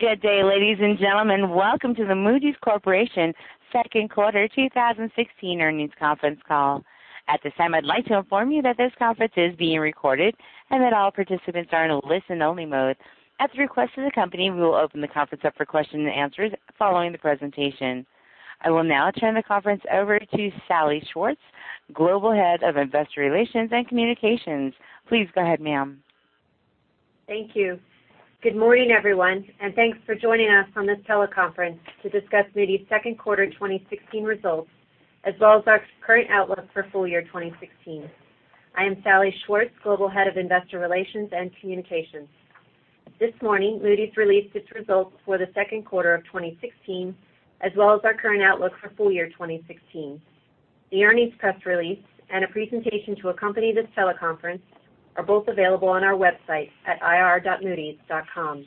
Good day, ladies and gentlemen. Welcome to the Moody's Corporation second quarter 2016 earnings conference call. At this time, I'd like to inform you that this conference is being recorded, and that all participants are in a listen-only mode. At the request of the company, we will open the conference up for questions and answers following the presentation. I will now turn the conference over to Salli Schwartz, Global Head of Investor Relations and Communications. Please go ahead, ma'am. Thank you. Good morning, everyone, and thanks for joining us on this teleconference to discuss Moody's second quarter 2016 results, as well as our current outlook for full year 2016. I am Salli Schwartz, Global Head of Investor Relations and Communications. This morning, Moody's released its results for the second quarter of 2016, as well as our current outlook for full year 2016. The earnings press release and a presentation to accompany this teleconference are both available on our website at ir.moodys.com.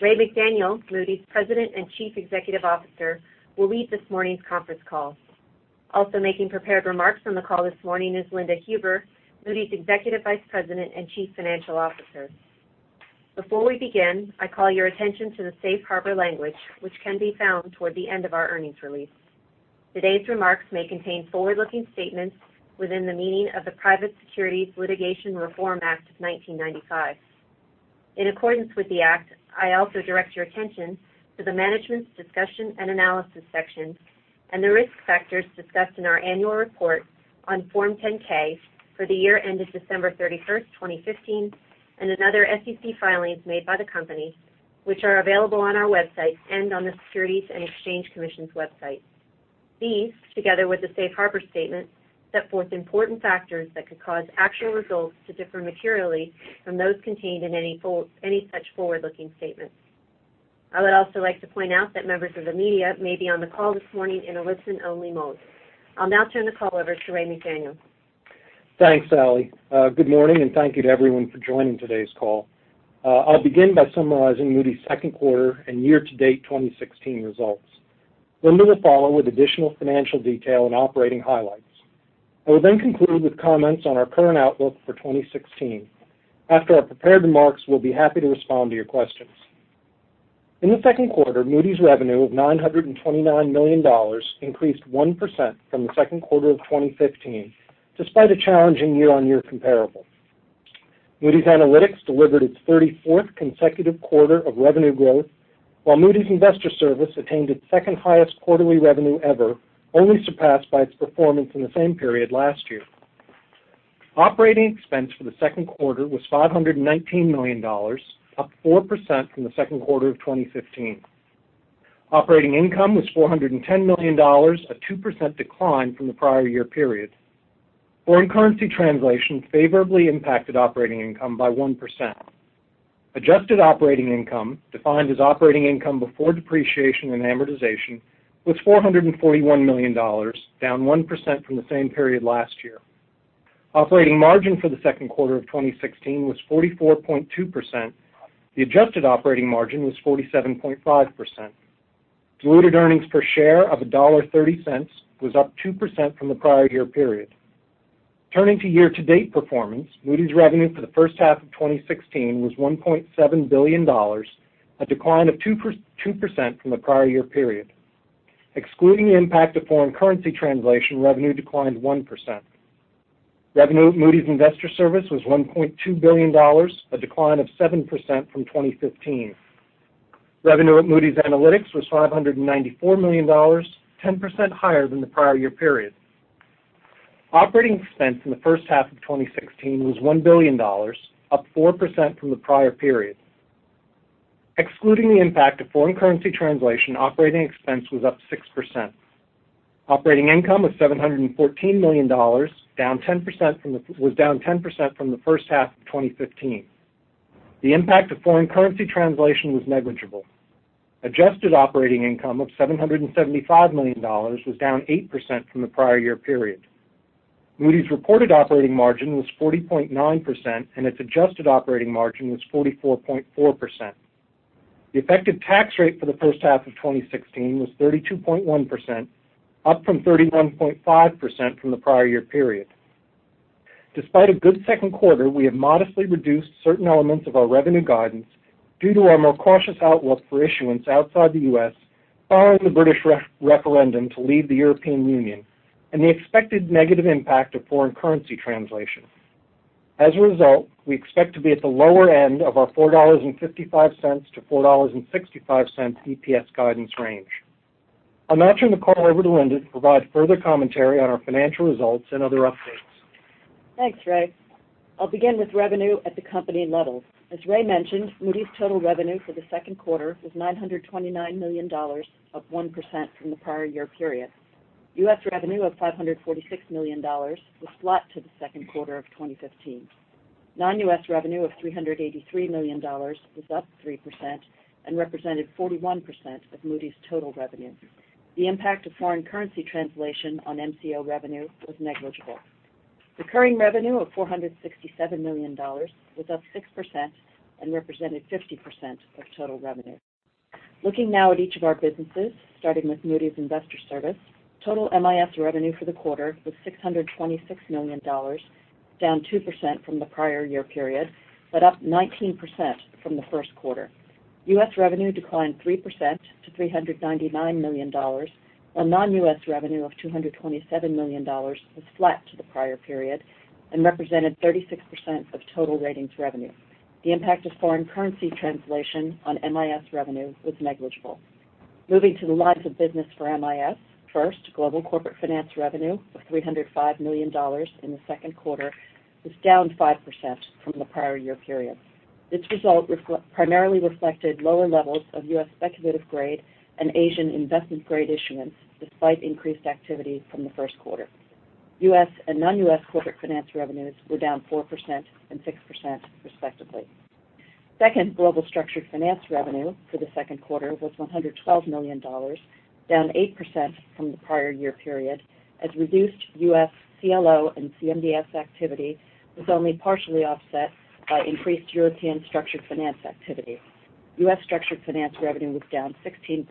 Raymond McDaniel, Moody's President and Chief Executive Officer, will lead this morning's conference call. Also making prepared remarks on the call this morning is Linda Huber, Moody's Executive Vice President and Chief Financial Officer. Before we begin, I call your attention to the safe harbor language, which can be found toward the end of our earnings release. Today's remarks may contain forward-looking statements within the meaning of the Private Securities Litigation Reform Act of 1995. In accordance with the Act, I also direct your attention to the Management's Discussion and Analysis section and the risk factors discussed in our annual report on Form 10-K for the year ended December 31st, 2015, and in other SEC filings made by the company, which are available on our website and on the Securities and Exchange Commission's website. These, together with the safe harbor statement, set forth important factors that could cause actual results to differ materially from those contained in any such forward-looking statements. I would also like to point out that members of the media may be on the call this morning in a listen-only mode. I'll now turn the call over to Raymond McDaniel. Thanks, Salli. Good morning, and thank you to everyone for joining today's call. I'll begin by summarizing Moody's second quarter and year-to-date 2016 results. Linda will follow with additional financial detail and operating highlights. I will conclude with comments on our current outlook for 2016. After our prepared remarks, we'll be happy to respond to your questions. In the second quarter, Moody's revenue of $929 million increased 1% from the second quarter of 2015, despite a challenging year-on-year comparable. Moody's Analytics delivered its 34th consecutive quarter of revenue growth, while Moody's Investors Service attained its second highest quarterly revenue ever, only surpassed by its performance in the same period last year. Operating expense for the second quarter was $519 million, up 4% from the second quarter of 2015. Operating income was $410 million, a 2% decline from the prior year period. Foreign currency translation favorably impacted operating income by 1%. Adjusted operating income, defined as operating income before depreciation and amortization, was $441 million, down 1% from the same period last year. Operating margin for the second quarter of 2016 was 44.2%. The adjusted operating margin was 47.5%. Diluted earnings per share of $1.30 was up 2% from the prior year period. Turning to year-to-date performance, Moody's revenue for the first half of 2016 was $1.7 billion, a decline of 2% from the prior year period. Excluding the impact of foreign currency translation, revenue declined 1%. Revenue at Moody's Investors Service was $1.2 billion, a decline of 7% from 2015. Revenue at Moody's Analytics was $594 million, 10% higher than the prior year period. Operating expense in the first half of 2016 was $1 billion, up 4% from the prior period. Excluding the impact of foreign currency translation, operating expense was up 6%. Operating income was $714 million, down 10% from the first half of 2015. The impact of foreign currency translation was negligible. Adjusted operating income of $775 million was down 8% from the prior year period. Moody's reported operating margin was 40.9%, and its adjusted operating margin was 44.4%. The effective tax rate for the first half of 2016 was 32.1%, up from 31.5% from the prior year period. Despite a good second quarter, we have modestly reduced certain elements of our revenue guidance due to our more cautious outlook for issuance outside the U.S. following the British referendum to leave the European Union and the expected negative impact of foreign currency translation. As a result, we expect to be at the lower end of our $4.55 to $4.65 EPS guidance range. I'll now turn the call over to Linda to provide further commentary on our financial results and other updates. Thanks, Ray. I'll begin with revenue at the company level. As Ray mentioned, Moody's total revenue for the second quarter was $929 million, up 1% from the prior year period. U.S. revenue of $546 million was flat to the second quarter of 2015. Non-U.S. revenue of $383 million was up 3% and represented 41% of Moody's total revenue. The impact of foreign currency translation on MCO revenue was negligible. Recurring revenue of $467 million was up 6% and represented 50% of total revenue. Looking now at each of our businesses, starting with Moody's Investors Service, total MIS revenue for the quarter was $626 million, down 2% from the prior year period, but up 19% from the first quarter. U.S. revenue declined 3% to $399 million, while non-U.S. revenue of $227 million was flat to the prior period and represented 36% of total ratings revenue. The impact of foreign currency translation on MIS revenue was negligible. Moving to the lines of business for MIS. First, global corporate finance revenue of $305 million in the second quarter was down 5% from the prior year period. This result primarily reflected lower levels of U.S. speculative grade and Asian investment-grade issuance despite increased activity from the first quarter. U.S. and non-U.S. corporate finance revenues were down 4% and 6%, respectively. Second, global structured finance revenue for the second quarter was $112 million, down 8% from the prior year period, as reduced U.S. CLO and CMBS activity was only partially offset by increased European structured finance activity. U.S. structured finance revenue was down 16%,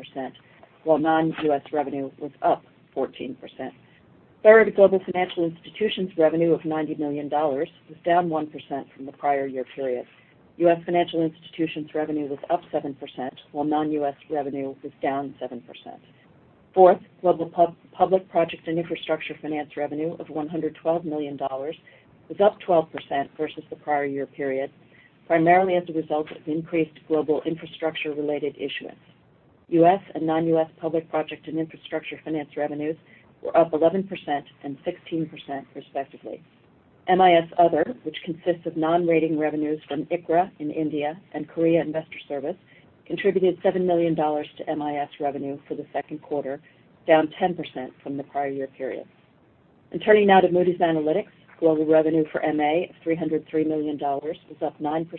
while non-U.S. revenue was up 14%. Third, global financial institutions revenue of $90 million was down 1% from the prior year period. U.S. financial institutions revenue was up 7%, while non-U.S. revenue was down 7%. Fourth, global public project and infrastructure finance revenue of $112 million was up 12% versus the prior year period, primarily as a result of increased global infrastructure-related issuance. U.S. and non-U.S. public project and infrastructure finance revenues were up 11% and 16%, respectively. MIS other, which consists of non-rating revenues from ICRA in India and Korea Investors Service, contributed $7 million to MIS revenue for the second quarter, down 10% from the prior year period. Turning now to Moody's Analytics. Global revenue for MA of $303 million was up 9%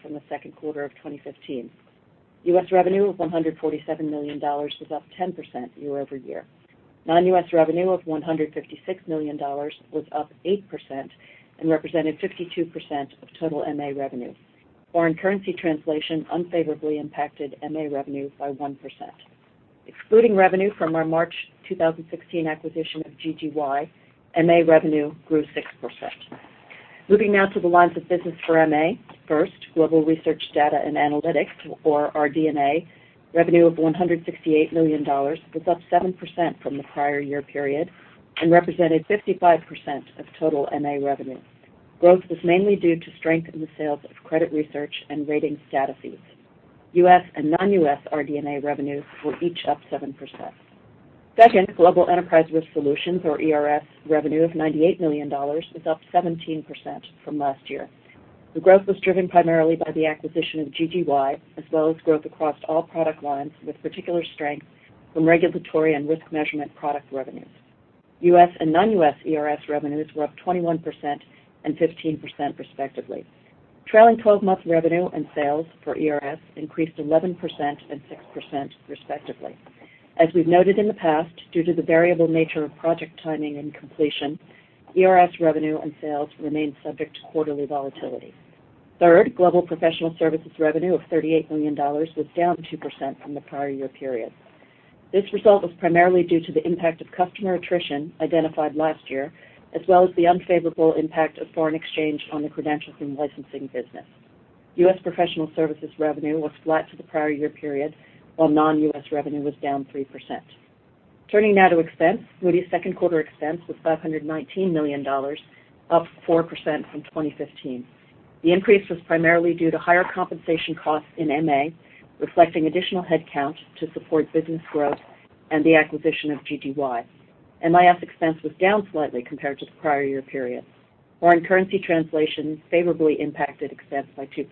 from the second quarter of 2015. U.S. revenue of $147 million was up 10% year over year. Non-U.S. revenue of $156 million was up 8% and represented 52% of total MA revenue. Foreign currency translation unfavorably impacted MA revenue by 1%. Excluding revenue from our March 2016 acquisition of GGY, MA revenue grew 6%. Moving now to the lines of business for MA. First, global research data and analytics, or RD&A, revenue of $168 million was up 7% from the prior year period and represented 55% of total MA revenue. Growth was mainly due to strength in the sales of credit research and rating data feeds. U.S. and non-U.S. RD&A revenues were each up 7%. Second, global enterprise risk solutions, or ERS, revenue of $98 million was up 17% from last year. The growth was driven primarily by the acquisition of GGY as well as growth across all product lines with particular strength from regulatory and risk measurement product revenues. U.S. and non-U.S. ERS revenues were up 21% and 15%, respectively. Trailing 12-month revenue and sales for ERS increased 11% and 6%, respectively. As we've noted in the past, due to the variable nature of project timing and completion, ERS revenue and sales remain subject to quarterly volatility. Third, global professional services revenue of $38 million was down 2% from the prior year period. This result was primarily due to the impact of customer attrition identified last year, as well as the unfavorable impact of foreign exchange on the credentials and licensing business. U.S. professional services revenue was flat to the prior year period, while non-U.S. revenue was down 3%. Turning now to expense. Moody's second quarter expense was $519 million, up 4% from 2015. The increase was primarily due to higher compensation costs in MA, reflecting additional headcount to support business growth and the acquisition of GGY. MIS expense was down slightly compared to the prior year period. Foreign currency translation favorably impacted expense by 2%.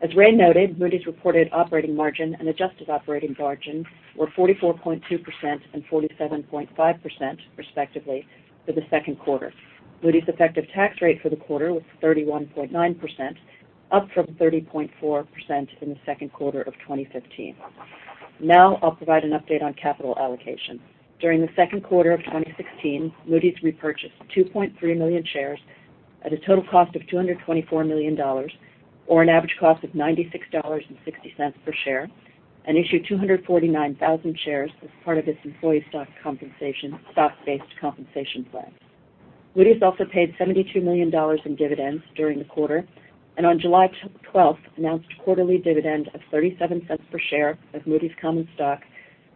As Ray noted, Moody's reported operating margin and adjusted operating margin were 44.2% and 47.5%, respectively, for the second quarter. Moody's effective tax rate for the quarter was 31.9%, up from 30.4% in the second quarter of 2015. Now I'll provide an update on capital allocation. During the second quarter of 2016, Moody's repurchased 2.3 million shares at a total cost of $224 million, or an average cost of $96.60 per share, and issued 249,000 shares as part of its employee stock compensation, stock-based compensation plan. Moody's also paid $72 million in dividends during the quarter, and on July 12th, announced quarterly dividend of $0.37 per share of Moody's common stock,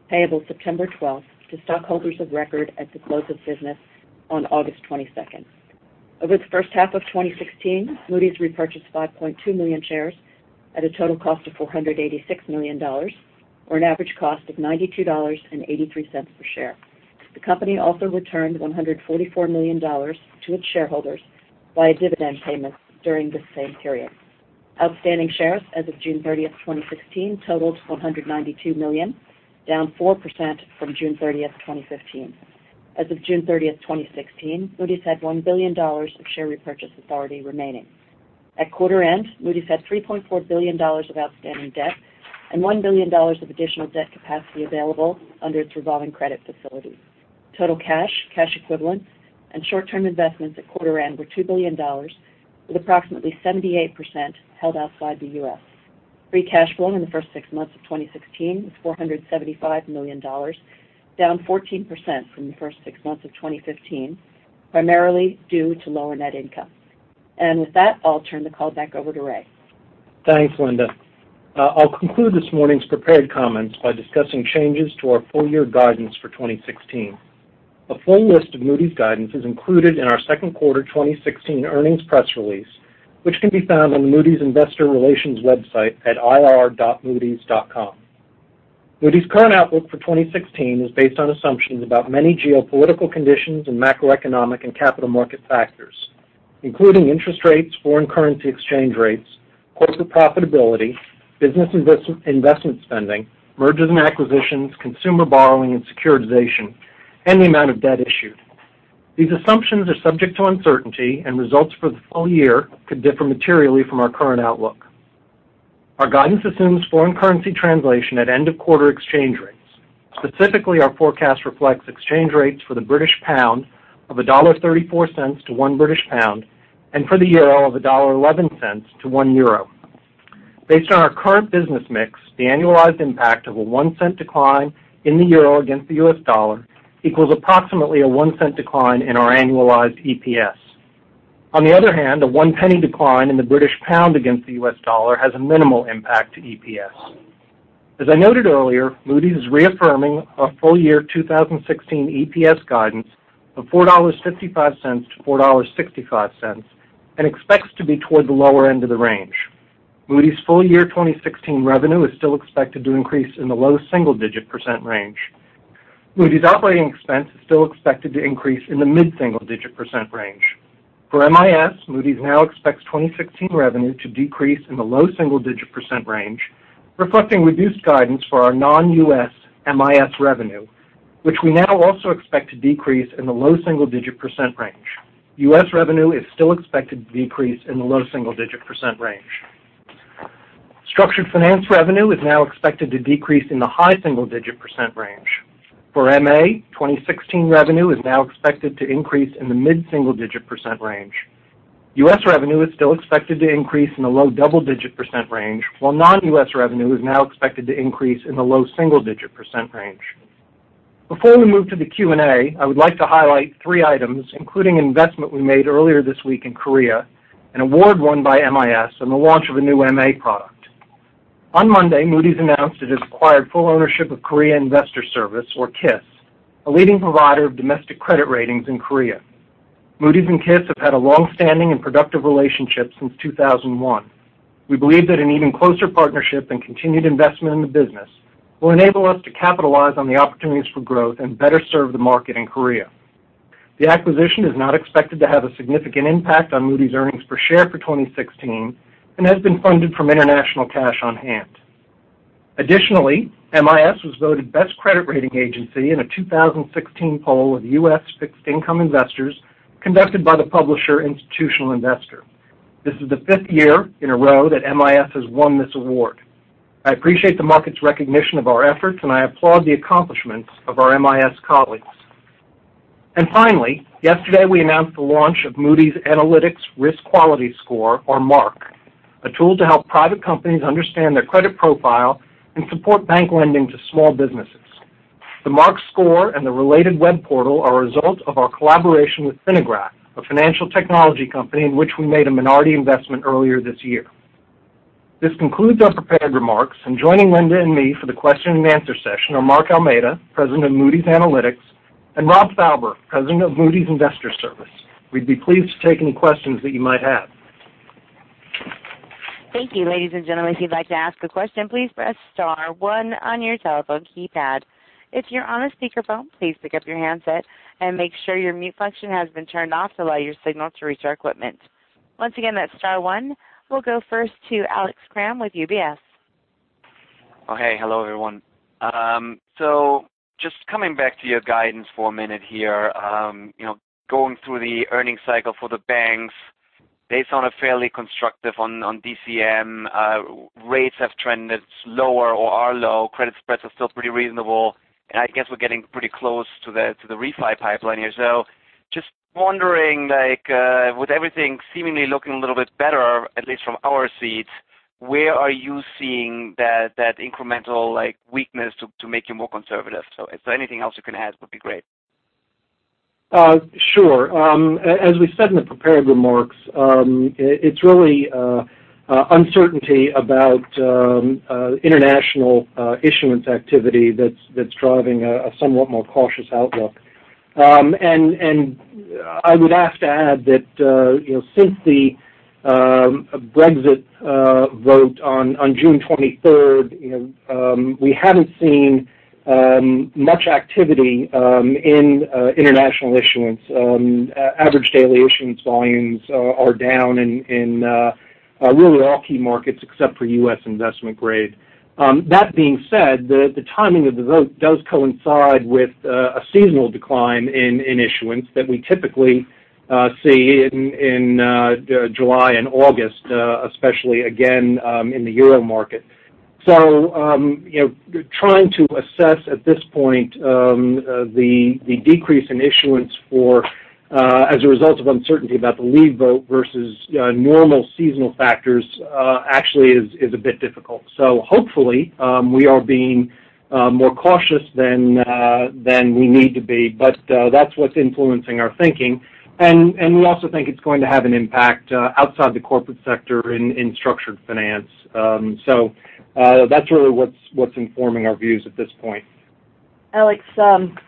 payable September 12th to stockholders of record at the close of business on August 22nd. Over the first half of 2016, Moody's repurchased 5.2 million shares at a total cost of $486 million, or an average cost of $92.83 per share. The company also returned $144 million to its shareholders via dividend payments during this same period. Outstanding shares as of June 30th, 2016, totaled 192 million, down 4% from June 30th, 2015. As of June 30th, 2016, Moody's had $1 billion of share repurchase authority remaining. At quarter end, Moody's had $3.4 billion of outstanding debt and $1 billion of additional debt capacity available under its revolving credit facility. Total cash equivalents, and short-term investments at quarter end were $2 billion, with approximately 78% held outside the U.S. Free cash flow in the first six months of 2016 was $475 million, down 14% from the first six months of 2015, primarily due to lower net income. With that, I'll turn the call back over to Ray. Thanks, Linda. I'll conclude this morning's prepared comments by discussing changes to our full-year guidance for 2016. A full list of Moody's guidance is included in our second quarter 2016 earnings press release, which can be found on the Moody's Investor Relations website at ir.moodys.com. Moody's current outlook for 2016 is based on assumptions about many geopolitical conditions and macroeconomic and capital market factors, including interest rates, foreign currency exchange rates, corporate profitability, business investment spending, mergers and acquisitions, consumer borrowing and securitization, and the amount of debt issued. These assumptions are subject to uncertainty, and results for the full year could differ materially from our current outlook. Our guidance assumes foreign currency translation at end-of-quarter exchange rates. Specifically, our forecast reflects exchange rates for the British pound of $1.34 to 1 British pound British, and for the euro of $1.11 to 1 euro. Based on our current business mix, the annualized impact of a 0.01 decline in the euro against the U.S. dollar equals approximately a $0.01 decline in our annualized EPS. On the other hand, a GBP 0.01 decline in the British pound against the U.S. dollar has a minimal impact to EPS. As I noted earlier, Moody's is reaffirming our full-year 2016 EPS guidance of $4.55 to $4.65, and expects to be toward the lower end of the range. Moody's full-year 2016 revenue is still expected to increase in the low single-digit % range. Moody's operating expense is still expected to increase in the mid-single digit % range. For MIS, Moody's now expects 2016 revenue to decrease in the low single-digit % range, reflecting reduced guidance for our non-U.S. MIS revenue, which we now also expect to decrease in the low single-digit % range. U.S. revenue is still expected to decrease in the low single-digit % range. Structured finance revenue is now expected to decrease in the high single-digit % range. For MA, 2016 revenue is now expected to increase in the mid-single digit % range. U.S. revenue is still expected to increase in the low double-digit % range, while non-U.S. revenue is now expected to increase in the low single-digit % range. Before we move to the Q&A, I would like to highlight three items, including investment we made earlier this week in Korea, an award won by MIS, and the launch of a new MA product. On Monday, Moody's announced it has acquired full ownership of Korea Investors Service, or KIS, a leading provider of domestic credit ratings in Korea. Moody's and KIS have had a long-standing and productive relationship since 2001. We believe that an even closer partnership and continued investment in the business will enable us to capitalize on the opportunities for growth and better serve the market in Korea. The acquisition is not expected to have a significant impact on Moody's earnings per share for 2016 and has been funded from international cash on hand. Additionally, MIS was voted best credit rating agency in a 2016 poll of U.S. fixed income investors conducted by the publisher Institutional Investor. This is the fifth year in a row that MIS has won this award. I appreciate the market's recognition of our efforts, and I applaud the accomplishments of our MIS colleagues. Finally, yesterday, we announced the launch of Moody's Analytics Risk Quality Score, or MARQ, a tool to help private companies understand their credit profile and support bank lending to small businesses. The MARQ Score and the related web portal are a result of our collaboration with Finagraph, a financial technology company in which we made a minority investment earlier this year. This concludes our prepared remarks, and joining Linda and me for the question and answer session are Mark Almeida, President of Moody's Analytics, and Rob Fauber, President of Moody's Investors Service. We'd be pleased to take any questions that you might have. Thank you. Ladies and gentlemen, if you'd like to ask a question, please press star one on your telephone keypad. If you're on a speakerphone, please pick up your handset and make sure your mute function has been turned off to allow your signal to reach our equipment. Once again, that's star one. We'll go first to Alex Kramm with UBS. Okay. Hello, everyone. Just coming back to your guidance for a minute here. Going through the earning cycle for the banks based on a fairly constructive on DCM, rates have trended lower or are low. Credit spreads are still pretty reasonable, and I guess we're getting pretty close to the refi pipeline here. Just wondering, with everything seemingly looking a little bit better, at least from our seats, where are you seeing that incremental weakness to make you more conservative? If there's anything else you can add, that would be great. Sure. As we said in the prepared remarks, it's really uncertainty about international issuance activity that's driving a somewhat more cautious outlook. I would ask to add that since the Brexit vote on June 23rd, we haven't seen much activity in international issuance. Average daily issuance volumes are down in really all key markets except for U.S. investment grade. That being said, the timing of the vote does coincide with a seasonal decline in issuance that we typically see in July and August, especially again in the euro market. Trying to assess at this point the decrease in issuance as a result of uncertainty about the leave vote versus normal seasonal factors actually is a bit difficult. Hopefully we are being more cautious than we need to be, but that's what's influencing our thinking. We also think it's going to have an impact outside the corporate sector in structured finance. That's really what's informing our views at this point. Alex,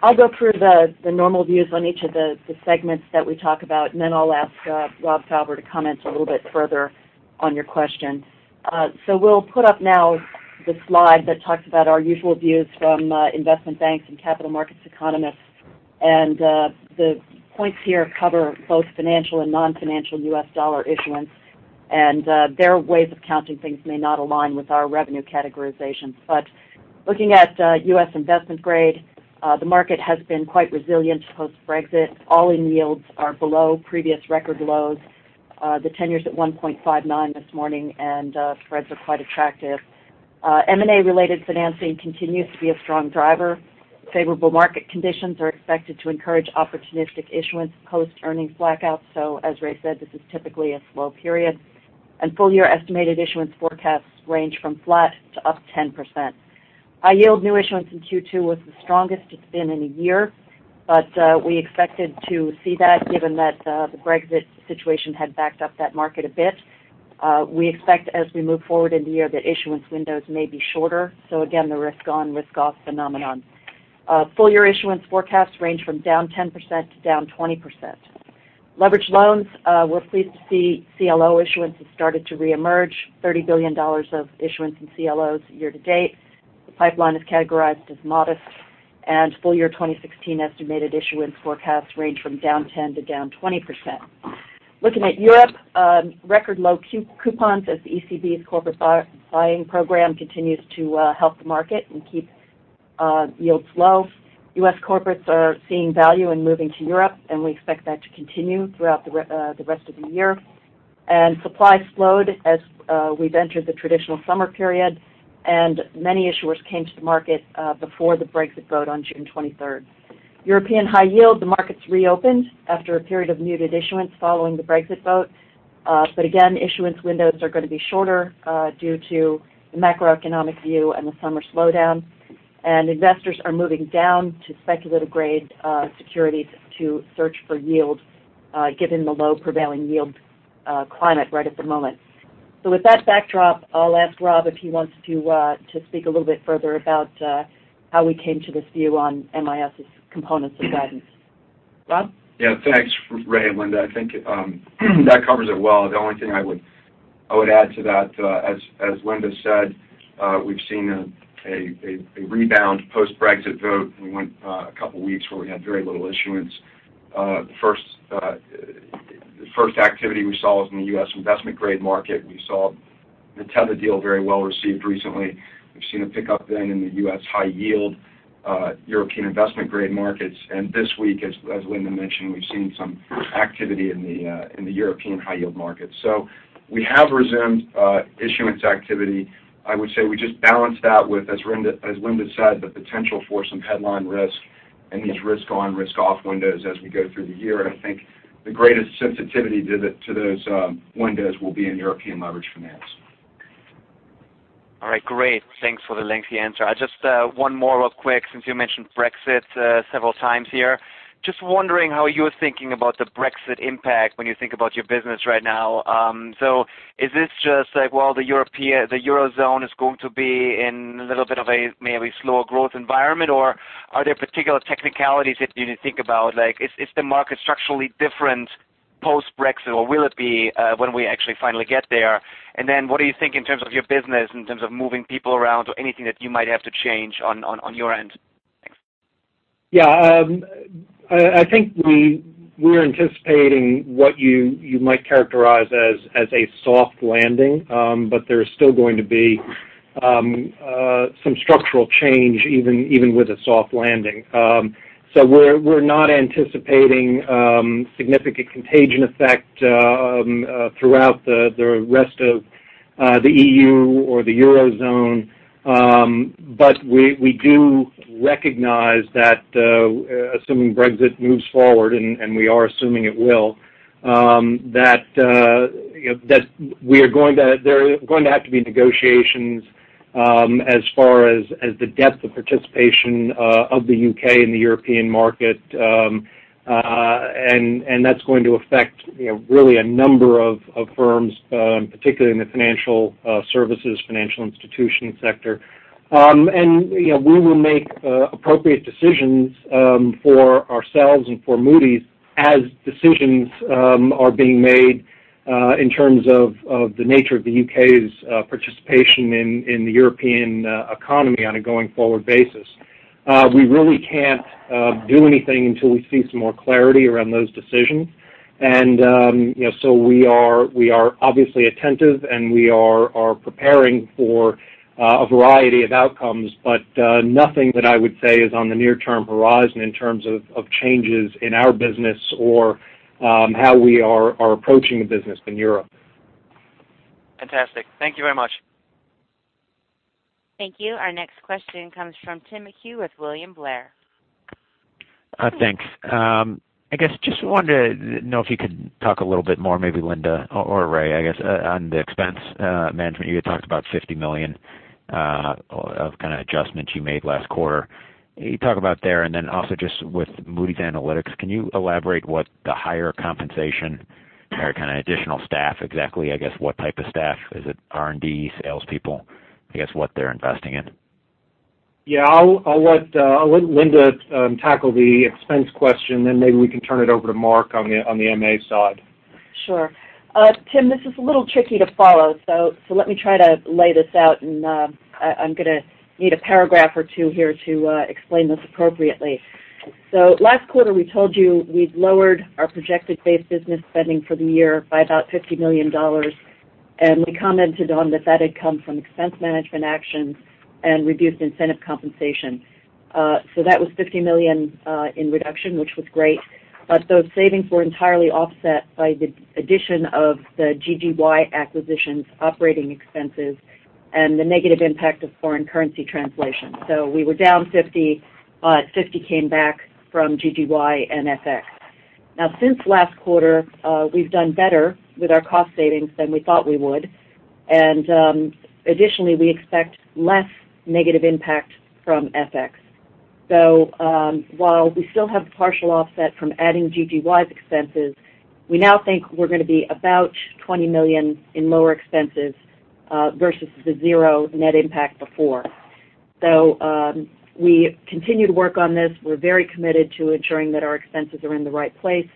I'll go through the normal views on each of the segments that we talk about, then I'll ask Rob Fauber to comment a little bit further on your question. We'll put up now the slide that talks about our usual views from investment banks and capital markets economists. The points here cover both financial and non-financial U.S. dollar issuance, and their ways of counting things may not align with our revenue categorization. Looking at U.S. investment grade, the market has been quite resilient post-Brexit. All-in yields are below previous record lows. The 10-year's at 1.59 this morning, and spreads are quite attractive. M&A-related financing continues to be a strong driver. Favorable market conditions are expected to encourage opportunistic issuance post-earnings blackout. As Ray said, this is typically a slow period. Full-year estimated issuance forecasts range from flat to up 10%. High yield new issuance in Q2 was the strongest it's been in a year, we expected to see that given that the Brexit situation had backed up that market a bit. We expect as we move forward in the year that issuance windows may be shorter. Again, the risk on, risk off phenomenon. Full-year issuance forecasts range from down 10% to down 20%. Leverage loans, we're pleased to see CLO issuance has started to reemerge. $30 billion of issuance in CLOs year to date. The pipeline is categorized as modest and full year 2016 estimated issuance forecasts range from down 10% to down 20%. Looking at Europe, record low coupons as the ECB's corporate buying program continues to help the market and keep yields low. U.S. corporates are seeing value in moving to Europe, and we expect that to continue throughout the rest of the year. Supply slowed as we've entered the traditional summer period, and many issuers came to the market before the Brexit vote on June 23rd. European high yield, the market's reopened after a period of muted issuance following the Brexit vote. Again, issuance windows are going to be shorter due to the macroeconomic view and the summer slowdown. Investors are moving down to speculative-grade securities to search for yield, given the low prevailing yield climate right at the moment. With that backdrop, I'll ask Rob if he wants to speak a little bit further about how we came to this view on MIS's components of guidance. Rob? Yeah, thanks, Ray and Linda. I think that covers it well. The only thing I would add to that, as Linda said, we've seen a rebound post-Brexit vote. We went a couple of weeks where we had very little issuance. The first activity we saw was in the U.S. investment-grade market. We saw the Teva deal very well received recently. We've seen a pickup then in the U.S. high yield European investment-grade markets. This week, as Linda mentioned, we've seen some activity in the European high-yield market. We have resumed issuance activity. I would say we just balance that with, as Linda said, the potential for some headline risk and these risk on, risk off windows as we go through the year. I think the greatest sensitivity to those windows will be in European leverage finance. All right, great. Thanks for the lengthy answer. Just one more real quick, since you mentioned Brexit several times here. Just wondering how you're thinking about the Brexit impact when you think about your business right now. Is this just like, well, the Eurozone is going to be in a little bit of a maybe slower growth environment? Or are there particular technicalities that you need to think about, like is the market structurally different post-Brexit, or will it be when we actually finally get there? What do you think in terms of your business, in terms of moving people around or anything that you might have to change on your end? Thanks. Yeah. I think we're anticipating what you might characterize as a soft landing. There's still going to be some structural change even with a soft landing. We're not anticipating significant contagion effect throughout the rest of the EU or the Eurozone. We do recognize that assuming Brexit moves forward, and we are assuming it will, that there are going to have to be negotiations as far as the depth of participation of the U.K. in the European market. That's going to affect really a number of firms, particularly in the financial services, financial institution sector. We will make appropriate decisions for ourselves and for Moody's as decisions are being made in terms of the nature of the U.K.'s participation in the European economy on a going-forward basis. We really can't do anything until we see some more clarity around those decisions. We are obviously attentive and we are preparing for a variety of outcomes, but nothing that I would say is on the near-term horizon in terms of changes in our business or how we are approaching the business in Europe. Fantastic. Thank you very much. Thank you. Our next question comes from Tim McHugh with William Blair. Thanks. I guess just wanted to know if you could talk a little bit more, maybe Linda or Ray, I guess, on the expense management. You had talked about $50 million of adjustments you made last quarter. Can you talk about there, and then also just with Moody's Analytics, can you elaborate what the higher compensation or kind of additional staff exactly, I guess, what type of staff? Is it R&D, salespeople? I guess what they're investing in. Yeah, I'll let Linda tackle the expense question. Maybe we can turn it over to Mark on the MA side. Sure. Tim, this is a little tricky to follow. Let me try to lay this out, and I'm going to need a paragraph or two here to explain this appropriately. Last quarter, we told you we'd lowered our projected base business spending for the year by about $50 million, and we commented on that that had come from expense management actions and reduced incentive compensation. That was $50 million in reduction, which was great. Those savings were entirely offset by the addition of the GGY acquisition's operating expenses and the negative impact of foreign currency translation. We were down $50. $50 came back from GGY and FX. Now, since last quarter, we've done better with our cost savings than we thought we would. Additionally, we expect less negative impact from FX. While we still have the partial offset from adding GGY's expenses, we now think we're going to be about $20 million in lower expenses versus the zero net impact before. We continue to work on this. We're very committed to ensuring that our expenses are in the right place.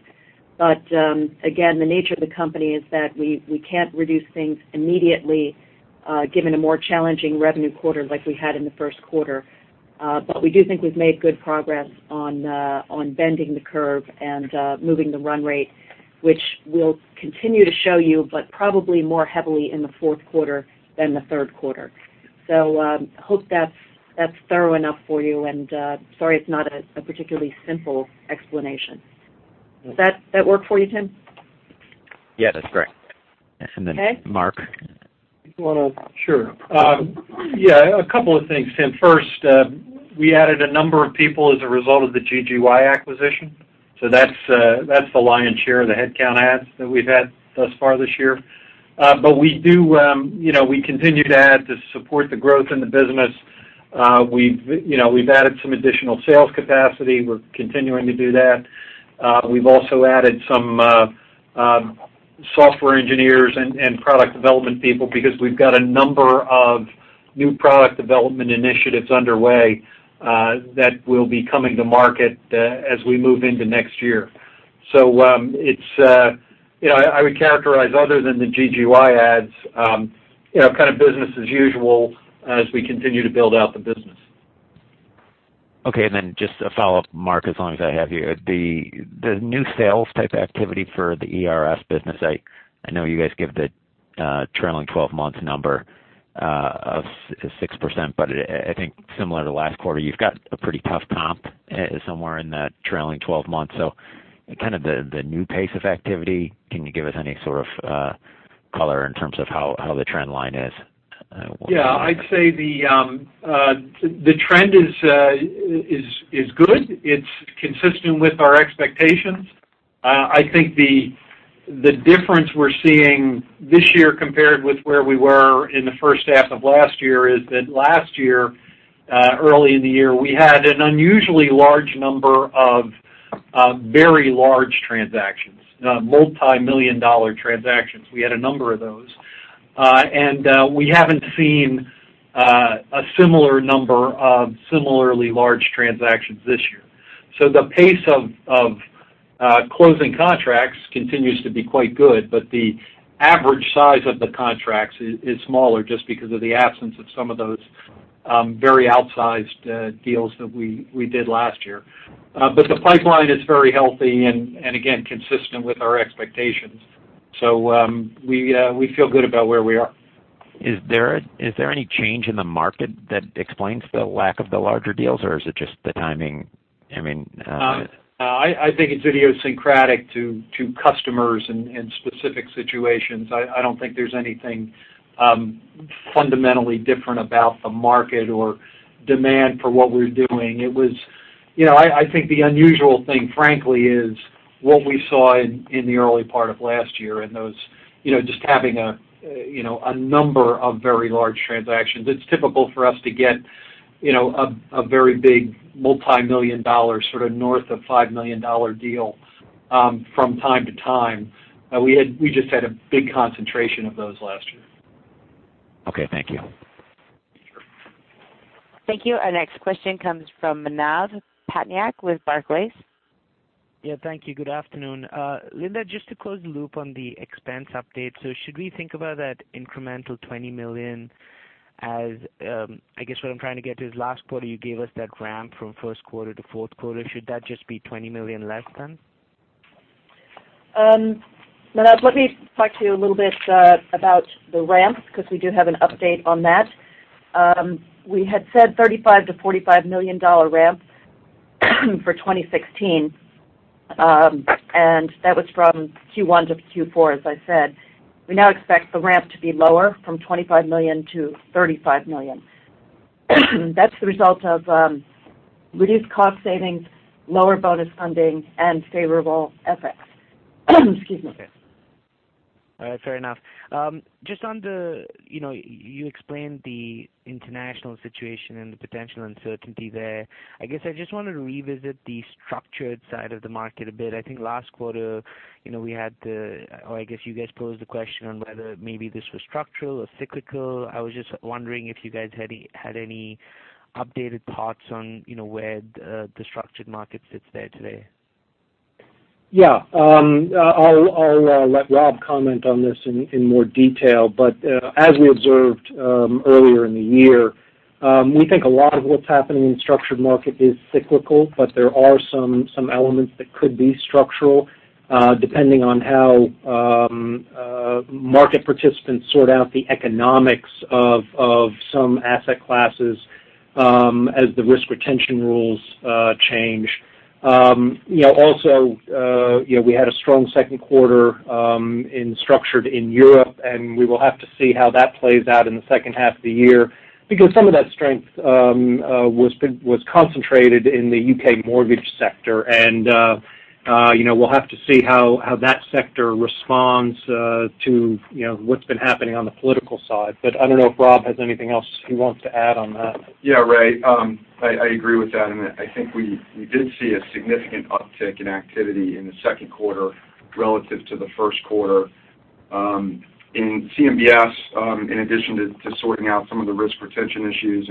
Again, the nature of the company is that we can't reduce things immediately given a more challenging revenue quarter like we had in the first quarter. We do think we've made good progress on bending the curve and moving the run rate, which we'll continue to show you, but probably more heavily in the fourth quarter than the third quarter. Hope that's thorough enough for you, and sorry it's not a particularly simple explanation. Does that work for you, Tim? Yeah, that's great. Okay. Mark. Sure. Yeah, a couple of things, Tim. First, we added a number of people as a result of the GGY acquisition. That's the lion's share of the headcount adds that we've had thus far this year. We continue to add to support the growth in the business. We've added some additional sales capacity. We're continuing to do that. We've also added some software engineers and product development people because we've got a number of new product development initiatives underway that will be coming to market as we move into next year. I would characterize other than the GGY adds, kind of business as usual as we continue to build out the business. Okay, just a follow-up, Mark, as long as I have you. The new sales-type activity for the ERS business, I know you guys give the trailing 12 months number of 6%, I think similar to last quarter, you've got a pretty tough comp somewhere in that trailing 12 months. Kind of the new pace of activity, can you give us any sort of color in terms of how the trend line is? Yeah, I'd say the trend is good. It's consistent with our expectations. I think the difference we're seeing this year compared with where we were in the first half of last year is that last year, early in the year, we had an unusually large number of very large transactions, multimillion-dollar transactions. We had a number of those. We haven't seen a similar number of similarly large transactions this year. The pace of closing contracts continues to be quite good, the average size of the contracts is smaller just because of the absence of some of those very outsized deals that we did last year. The pipeline is very healthy and again, consistent with our expectations. We feel good about where we are. Is there any change in the market that explains the lack of the larger deals, or is it just the timing? I think it's idiosyncratic to customers and specific situations. I don't think there's anything fundamentally different about the market or demand for what we're doing. I think the unusual thing, frankly, is what we saw in the early part of last year and just having a number of very large transactions. It's typical for us to get a very big multimillion-dollar, sort of north of $5 million deal from time to time. We just had a big concentration of those last year. Okay, thank you. Sure. Thank you. Our next question comes from Manav Patnaik with Barclays. Yeah, thank you. Good afternoon. Linda, just to close the loop on the expense update. Should we think about that incremental $20 million? I guess what I'm trying to get to is last quarter, you gave us that ramp from first quarter to fourth quarter. Should that just be $20 million less then? Manav, let me talk to you a little bit about the ramp because we do have an update on that. We had said $35 million to $45 million ramp for 2016. That was from Q1 to Q4, as I said. We now expect the ramp to be lower from $25 million to $35 million. That's the result of reduced cost savings, lower bonus funding, and favorable FX. Excuse me. Okay. Fair enough. You explained the international situation and the potential uncertainty there. I guess I just wanted to revisit the structured side of the market a bit. I think last quarter, you guys posed the question on whether maybe this was structural or cyclical. I was just wondering if you guys had any updated thoughts on where the structured market sits there today. Yeah. I'll let Rob comment on this in more detail. As we observed earlier in the year, we think a lot of what's happening in structured market is cyclical, but there are some elements that could be structural, depending on how market participants sort out the economics of some asset classes as the risk retention rules change. Also we had a strong second quarter in structured in Europe, we will have to see how that plays out in the second half of the year because some of that strength was concentrated in the U.K. mortgage sector. We'll have to see how that sector responds to what's been happening on the political side. I don't know if Rob has anything else he wants to add on that. Yeah, Ray, I agree with that, I think we did see a significant uptick in activity in the second quarter relative to the first quarter. In CMBS, in addition to sorting out some of the risk retention issues,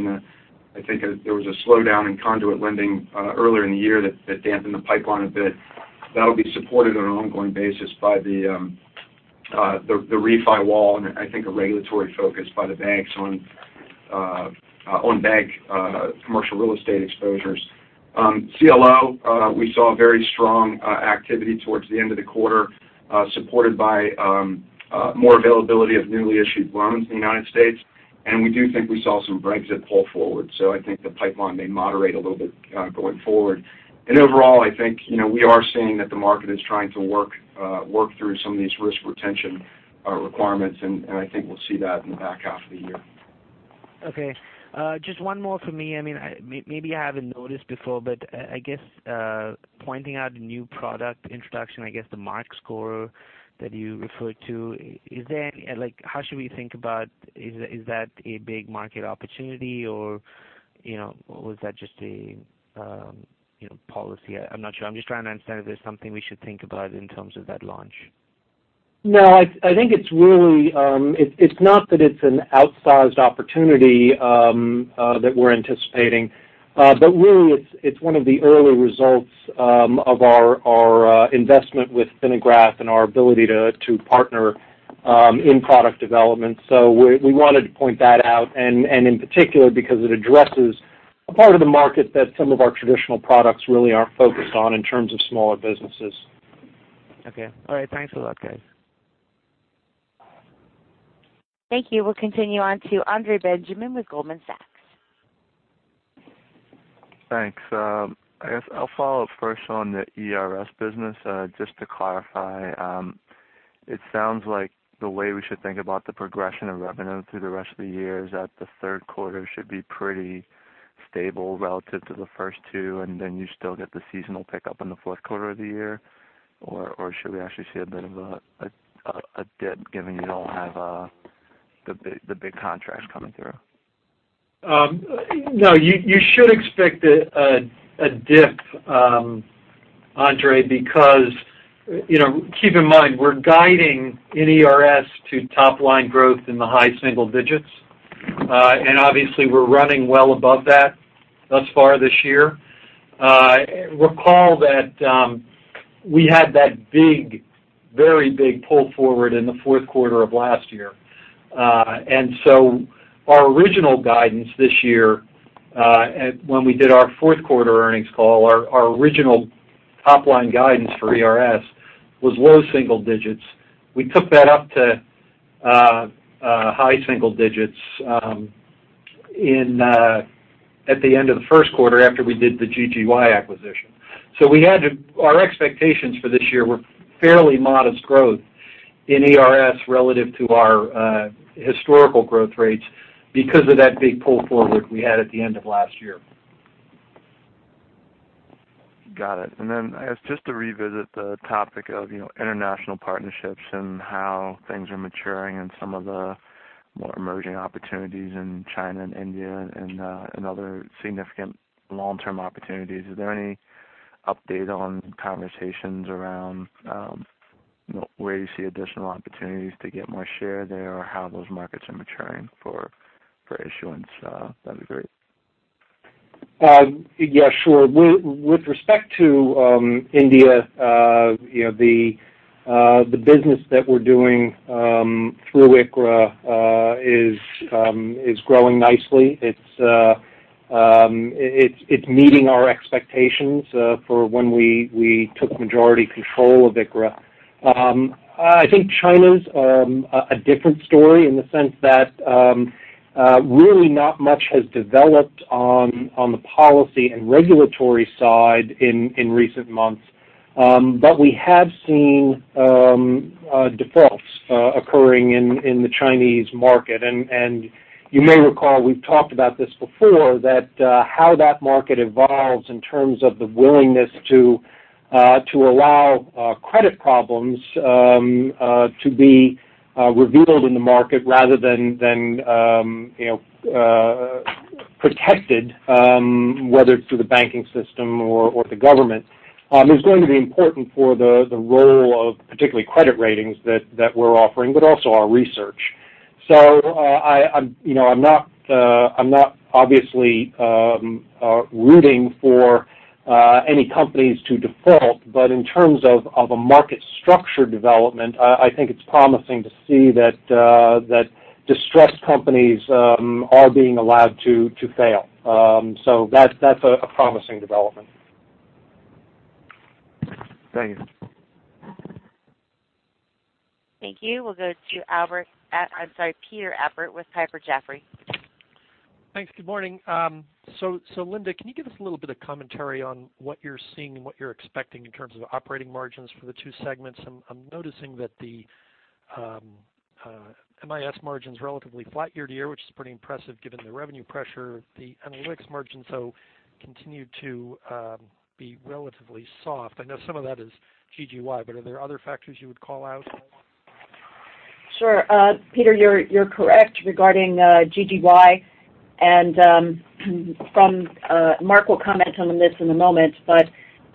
I think there was a slowdown in conduit lending earlier in the year that dampened the pipeline a bit. That'll be supported on an ongoing basis by the refi wall, I think a regulatory focus by the banks on bank commercial real estate exposures. CLO, we saw very strong activity towards the end of the quarter, supported by more availability of newly issued loans in the United States, we do think we saw some Brexit pull forward. I think the pipeline may moderate a little bit going forward. Overall, I think, we are seeing that the market is trying to work through some of these risk retention requirements, I think we'll see that in the back half of the year. Okay. Just one more from me. Maybe I haven't noticed before, I guess, pointing out new product introduction, the MARQ Score that you referred to. How should we think about, is that a big market opportunity or was that just a policy? I'm not sure. I'm just trying to understand if there's something we should think about in terms of that launch. No, it's not that it's an outsized opportunity that we're anticipating. Really, it's one of the early results of our investment with Finagraph and our ability to partner in product development. We wanted to point that out, and in particular, because it addresses a part of the market that some of our traditional products really aren't focused on in terms of smaller businesses. Okay. All right. Thanks a lot, guys. Thank you. We'll continue on to Andre Benjamin with Goldman Sachs. Thanks. I guess I'll follow up first on the ERS business. Just to clarify, it sounds like the way we should think about the progression of revenue through the rest of the year is that the third quarter should be pretty stable relative to the first two, or you still get the seasonal pickup in the fourth quarter of the year. Or should we actually see a bit of a dip given you don't have the big contracts coming through? No. You should expect a dip, Andre, because keep in mind, we're guiding in ERS to top line growth in the high single digits. Obviously, we're running well above that thus far this year. Recall that we had that very big pull forward in the fourth quarter of last year. Our original guidance this year, when we did our fourth quarter earnings call, our original top-line guidance for ERS was low single digits. We took that up to high single digits at the end of the first quarter after we did the GGY acquisition. Our expectations for this year were fairly modest growth in ERS relative to our historical growth rates because of that big pull forward we had at the end of last year. Got it. I guess just to revisit the topic of international partnerships and how things are maturing and some of the more emerging opportunities in China and India and other significant long-term opportunities, is there any update on conversations around where you see additional opportunities to get more share there or how those markets are maturing for issuance? That'd be great. Yeah, sure. With respect to India, the business that we're doing through ICRA is growing nicely. It's meeting our expectations for when we took majority control of ICRA. I think China's a different story in the sense that really not much has developed on the policy and regulatory side in recent months. We have seen defaults occurring in the Chinese market. You may recall, we've talked about this before, that how that market evolves in terms of the willingness to allow credit problems to be revealed in the market rather than protected, whether it's through the banking system or the government, is going to be important for the role of particularly credit ratings that we're offering, but also our research. I'm not obviously rooting for any companies to default, in terms of a market structure development, I think it's promising to see that distressed companies are being allowed to fail. That's a promising development. Thank you. Thank you. We'll go to Peter Appert with Piper Jaffray. Thanks. Good morning. Linda, can you give us a little bit of commentary on what you're seeing and what you're expecting in terms of operating margins for the two segments? I'm noticing that the MIS margin's relatively flat year-to-year, which is pretty impressive given the revenue pressure. The Analytics margin though continued to be relatively soft. I know some of that is GGY, are there other factors you would call out? Sure. Peter, you're correct regarding GGY, Mark will comment on this in a moment,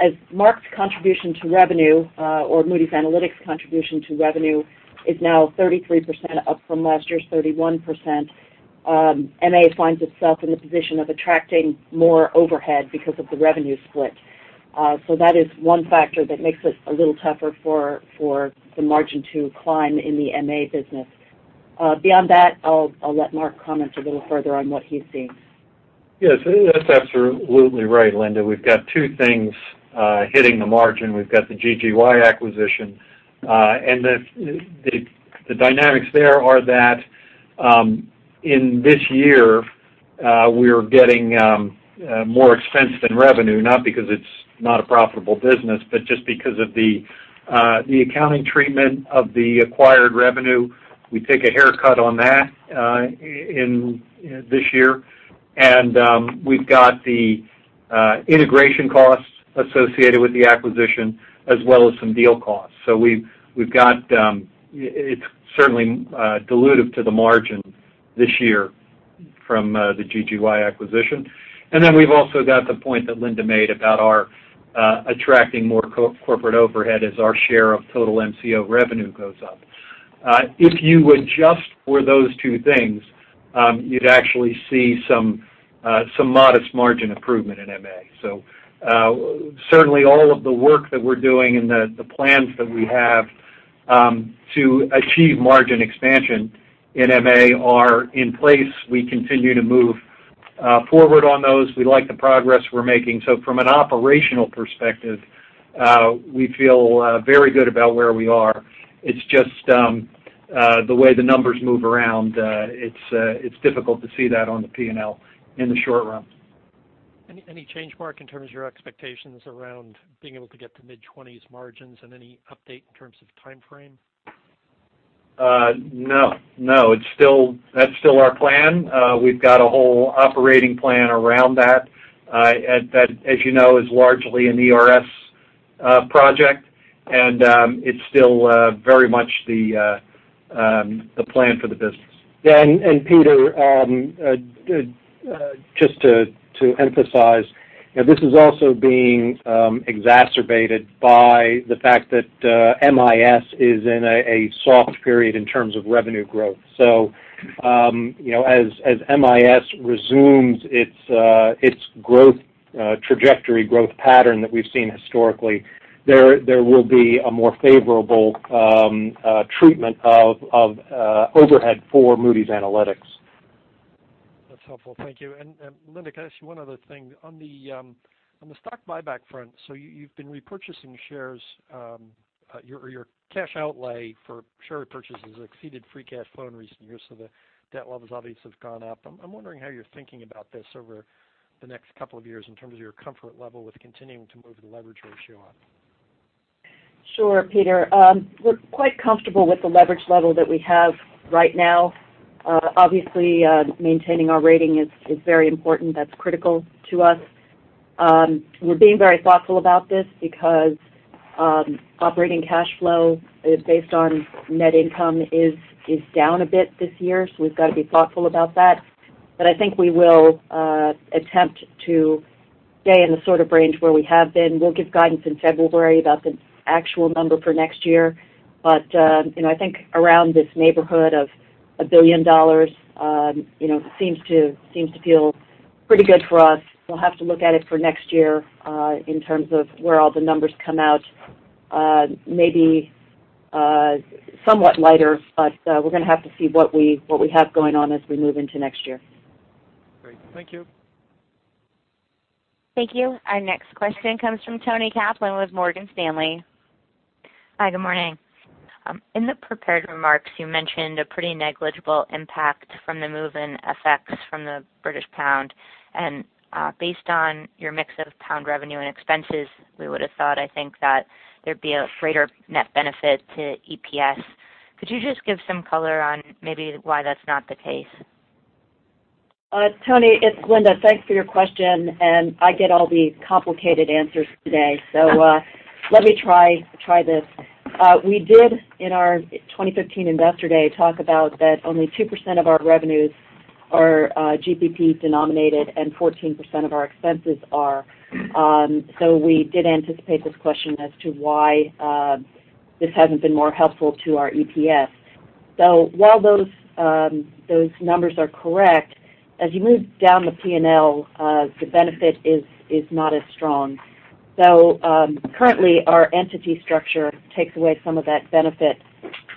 as Mark's contribution to revenue, or Moody's Analytics contribution to revenue is now 33%, up from last year's 31%, MA finds itself in the position of attracting more overhead because of the revenue split. That is one factor that makes it a little tougher for the margin to climb in the MA business. Beyond that, I'll let Mark comment a little further on what he's seeing. Yes, that's absolutely right, Linda. We've got two things hitting the margin. We've got the GGY acquisition. The dynamics there are that in this year, we're getting more expense than revenue, not because it's not a profitable business, but just because of the accounting treatment of the acquired revenue. We take a haircut on that this year. We've got the integration costs associated with the acquisition as well as some deal costs. It's certainly dilutive to the margin this year from the GGY acquisition. Then we've also got the point that Linda made about our attracting more corporate overhead as our share of total MCO revenue goes up. If you adjust for those two things, you'd actually see some modest margin improvement in MA. Certainly all of the work that we're doing and the plans that we have to achieve margin expansion in MA are in place. We continue to move forward on those. We like the progress we're making. From an operational perspective, we feel very good about where we are. It's just the way the numbers move around. It's difficult to see that on the P&L in the short run. Any change, Mark, in terms of your expectations around being able to get to mid-twenties margins and any update in terms of timeframe? No. That's still our plan. We've got a whole operating plan around that as you know is largely an ERS project, and it's still very much the plan for the business. Peter, just to emphasize, this is also being exacerbated by the fact that MIS is in a soft period in terms of revenue growth. As MIS resumes its growth trajectory, growth pattern that we've seen historically, there will be a more favorable treatment of overhead for Moody's Analytics. That's helpful. Thank you. Linda, can I ask you one other thing? On the stock buyback front, you've been repurchasing shares. Your cash outlay for share purchases exceeded free cash flow in recent years, the debt levels obviously have gone up. I'm wondering how you're thinking about this over the next couple of years in terms of your comfort level with continuing to move the leverage ratio up. Sure, Peter. We're quite comfortable with the leverage level that we have right now. Obviously, maintaining our rating is very important. That's critical to us. We're being very thoughtful about this because operating cash flow based on net income is down a bit this year, we've got to be thoughtful about that. I think we will attempt to stay in the sort of range where we have been. We'll give guidance in February about the actual number for next year. I think around this neighborhood of $1 billion seems to feel pretty good for us. We'll have to look at it for next year in terms of where all the numbers come out. Maybe somewhat lighter, we're going to have to see what we have going on as we move into next year. Great. Thank you. Thank you. Our next question comes from Toni Kaplan with Morgan Stanley. Hi, good morning. In the prepared remarks, you mentioned a pretty negligible impact from the move in effects from the British pound. Based on your mix of pound revenue and expenses, we would have thought, I think that there'd be a greater net benefit to EPS. Could you just give some color on maybe why that's not the case? Toni, it's Linda. Thanks for your question, and I get all the complicated answers today. Let me try this. We did, in our 2015 investor day, talk about that only 2% of our revenues are GBP denominated and 14% of our expenses are. We did anticipate this question as to why this hasn't been more helpful to our EPS. While those numbers are correct, as you move down the P&L, the benefit is not as strong. Currently, our entity structure takes away some of that benefit,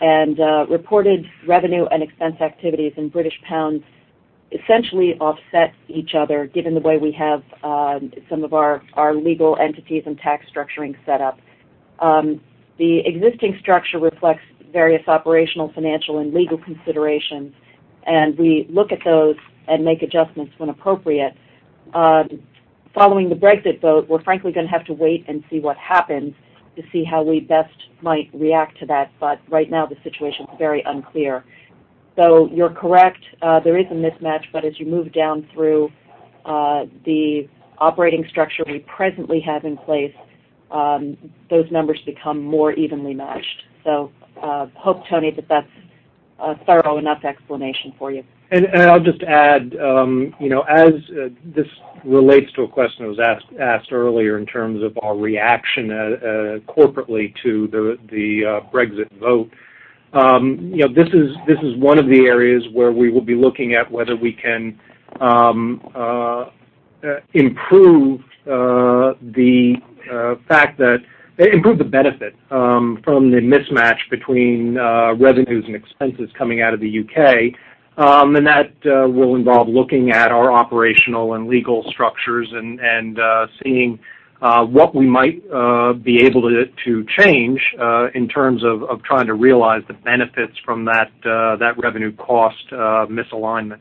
and reported revenue and expense activities in British pounds essentially offset each other, given the way we have some of our legal entities and tax structuring set up. The existing structure reflects various operational, financial, and legal considerations, and we look at those and make adjustments when appropriate. Following the Brexit vote, we're frankly going to have to wait and see what happens to see how we best might react to that. Right now, the situation's very unclear. You're correct. There is a mismatch, but as you move down through the operating structure we presently have in place, those numbers become more evenly matched. I hope, Toni, that that's a thorough enough explanation for you. I'll just add, as this relates to a question that was asked earlier in terms of our reaction corporately to the Brexit vote. This is one of the areas where we will be looking at whether we can improve the benefit from the mismatch between revenues and expenses coming out of the U.K. That will involve looking at our operational and legal structures and seeing what we might be able to change in terms of trying to realize the benefits from that revenue cost misalignment.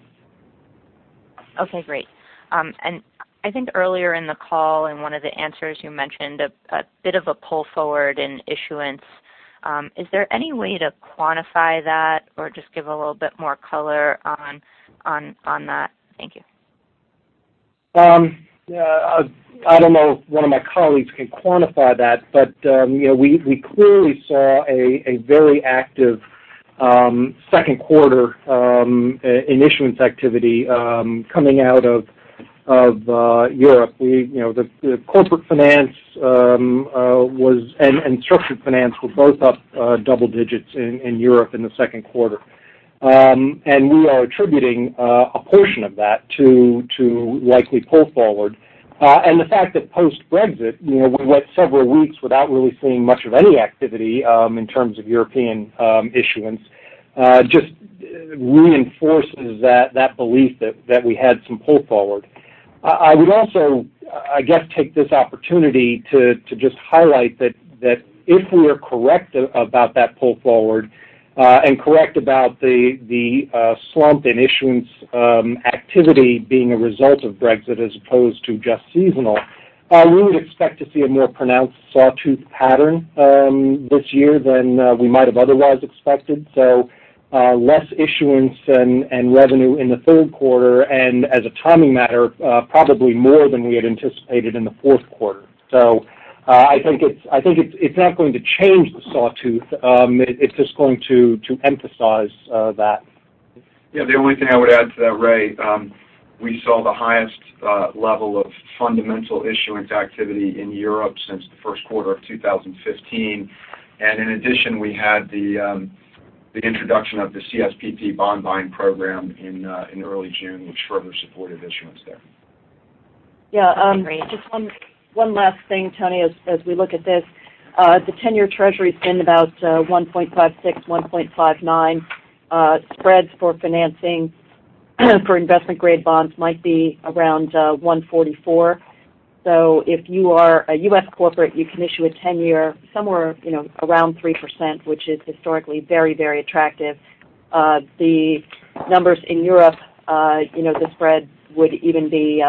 Okay, great. I think earlier in the call, in one of the answers you mentioned a bit of a pull forward in issuance. Is there any way to quantify that or just give a little bit more color on that? Thank you. I don't know if one of my colleagues can quantify that, but we clearly saw a very active second quarter in issuance activity coming out of Europe. The corporate finance and structured finance were both up double digits in Europe in the second quarter. We are attributing a portion of that to likely pull forward. The fact that post-Brexit, we went several weeks without really seeing much of any activity in terms of European issuance just reinforces that belief that we had some pull forward. I would also take this opportunity to just highlight that if we are correct about that pull forward and correct about the slump in issuance activity being a result of Brexit as opposed to just seasonal, we would expect to see a more pronounced sawtooth pattern this year than we might have otherwise expected. Less issuance and revenue in the third quarter, as a timing matter probably more than we had anticipated in the fourth quarter. I think it's not going to change the sawtooth. It's just going to emphasize that. The only thing I would add to that, Ray, we saw the highest level of fundamental issuance activity in Europe since the first quarter of 2015. In addition, we had the introduction of the CSPP bond-buying program in early June, which further supported issuance there. Yeah. Great. Just one last thing, Toni, as we look at this. The 10-year Treasury's been about 1.56, 1.59. Spreads for financing for investment-grade bonds might be around 144. If you are a U.S. corporate, you can issue a 10-year somewhere around 3%, which is historically very attractive. The numbers in Europe, the spread would even be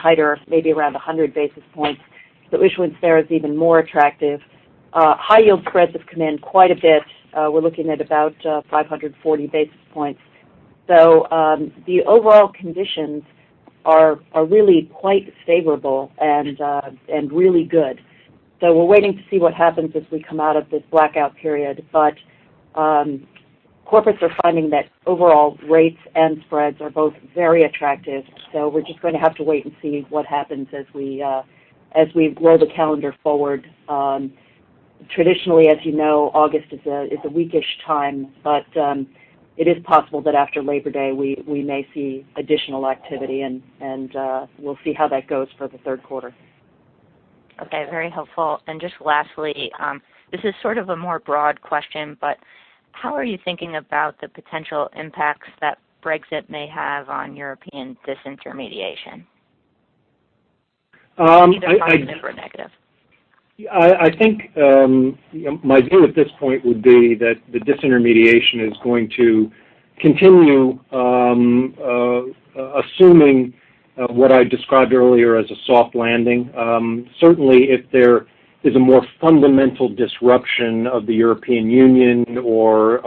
tighter, maybe around 100 basis points. Issuance there is even more attractive. High-yield spreads have come in quite a bit. We're looking at about 540 basis points. The overall conditions are really quite favorable and really good. We're waiting to see what happens as we come out of this blackout period. Corporates are finding that overall rates and spreads are both very attractive. We're just going to have to wait and see what happens as we roll the calendar forward. Traditionally, as you know, August is a weak-ish time, but it is possible that after Labor Day, we may see additional activity, and we'll see how that goes for the third quarter. Very helpful. Just lastly, this is sort of a more broad question, but how are you thinking about the potential impacts that Brexit may have on European disintermediation? Either positive or negative. My view at this point would be that the disintermediation is going to continue, assuming what I described earlier as a soft landing. Certainly, if there is a more fundamental disruption of the European Union or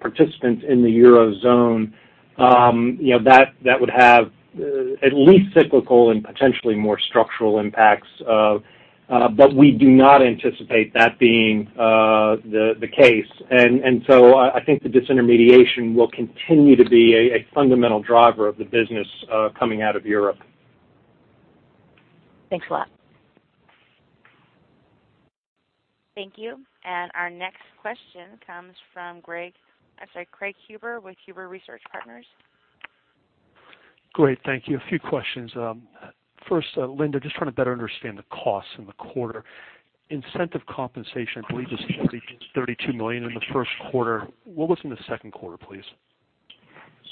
participants in the Eurozone, that would have at least cyclical and potentially more structural impacts. We do not anticipate that being the case. I think the disintermediation will continue to be a fundamental driver of the business coming out of Europe. Thanks a lot. Thank you. Our next question comes from Craig Huber with Huber Research Partners. Great. Thank you. A few questions. First, Linda, just trying to better understand the costs in the quarter. Incentive compensation, I believe, is $32 million in the first quarter. What was it in the second quarter, please?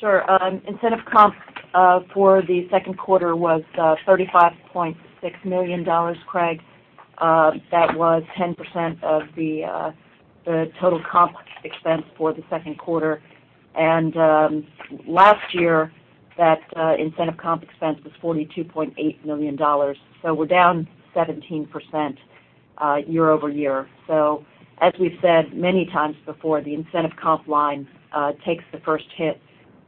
Sure. Incentive comp for the second quarter was $35.6 million, Craig. That was 10% of the total comp expense for the second quarter. Last year, that incentive comp expense was $42.8 million. We're down 17% year-over-year. As we've said many times before, the incentive comp line takes the first hit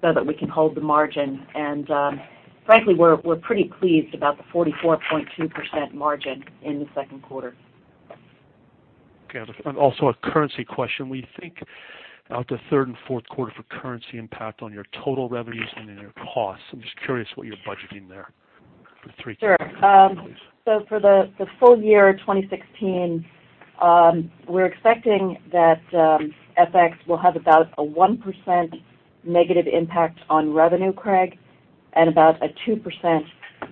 so that we can hold the margin. Frankly, we're pretty pleased about the 44.2% margin in the second quarter. Okay. Also a currency question. What do you think about the third and fourth quarter for currency impact on your total revenues and in your costs? I'm just curious what you're budgeting there for 3Q and 4Q, please. Sure. For the full year 2016, we're expecting that FX will have about a 1% negative impact on revenue, Craig, and about a 2%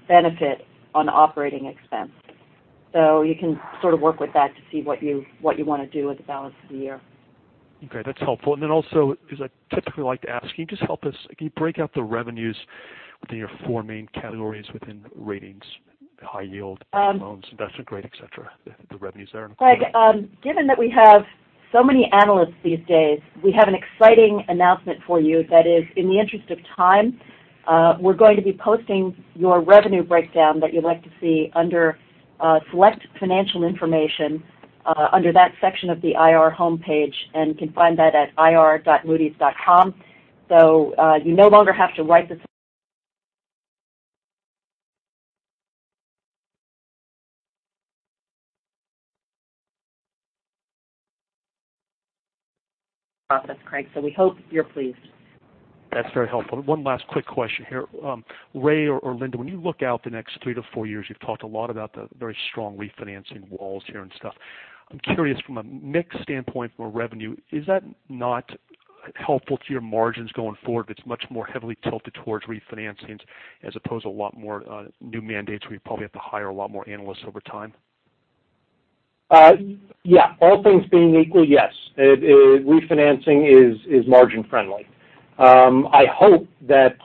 benefit on operating expense. You can sort of work with that to see what you want to do with the balance of the year. Okay, that's helpful. Also, because I typically like to ask, can you break out the revenues within your four main categories within ratings, high yield, loans, investment grade, et cetera, the revenues there? Craig, given that we have so many analysts these days, we have an exciting announcement for you. That is, in the interest of time, we're going to be posting your revenue breakdown that you'd like to see under Select Financial Information under that section of the IR homepage, and you can find that at ir.moodys.com. You no longer have to write this process, Craig, we hope you're pleased. That's very helpful. One last quick question here. Ray or Linda, when you look out the next three to four years, you've talked a lot about the very strong refinancing walls here and stuff. I'm curious from a mix standpoint from a revenue, is that not helpful to your margins going forward if it's much more heavily tilted towards refinancings as opposed to a lot more new mandates where you probably have to hire a lot more analysts over time? Yeah. All things being equal, yes. Refinancing is margin friendly. I hope that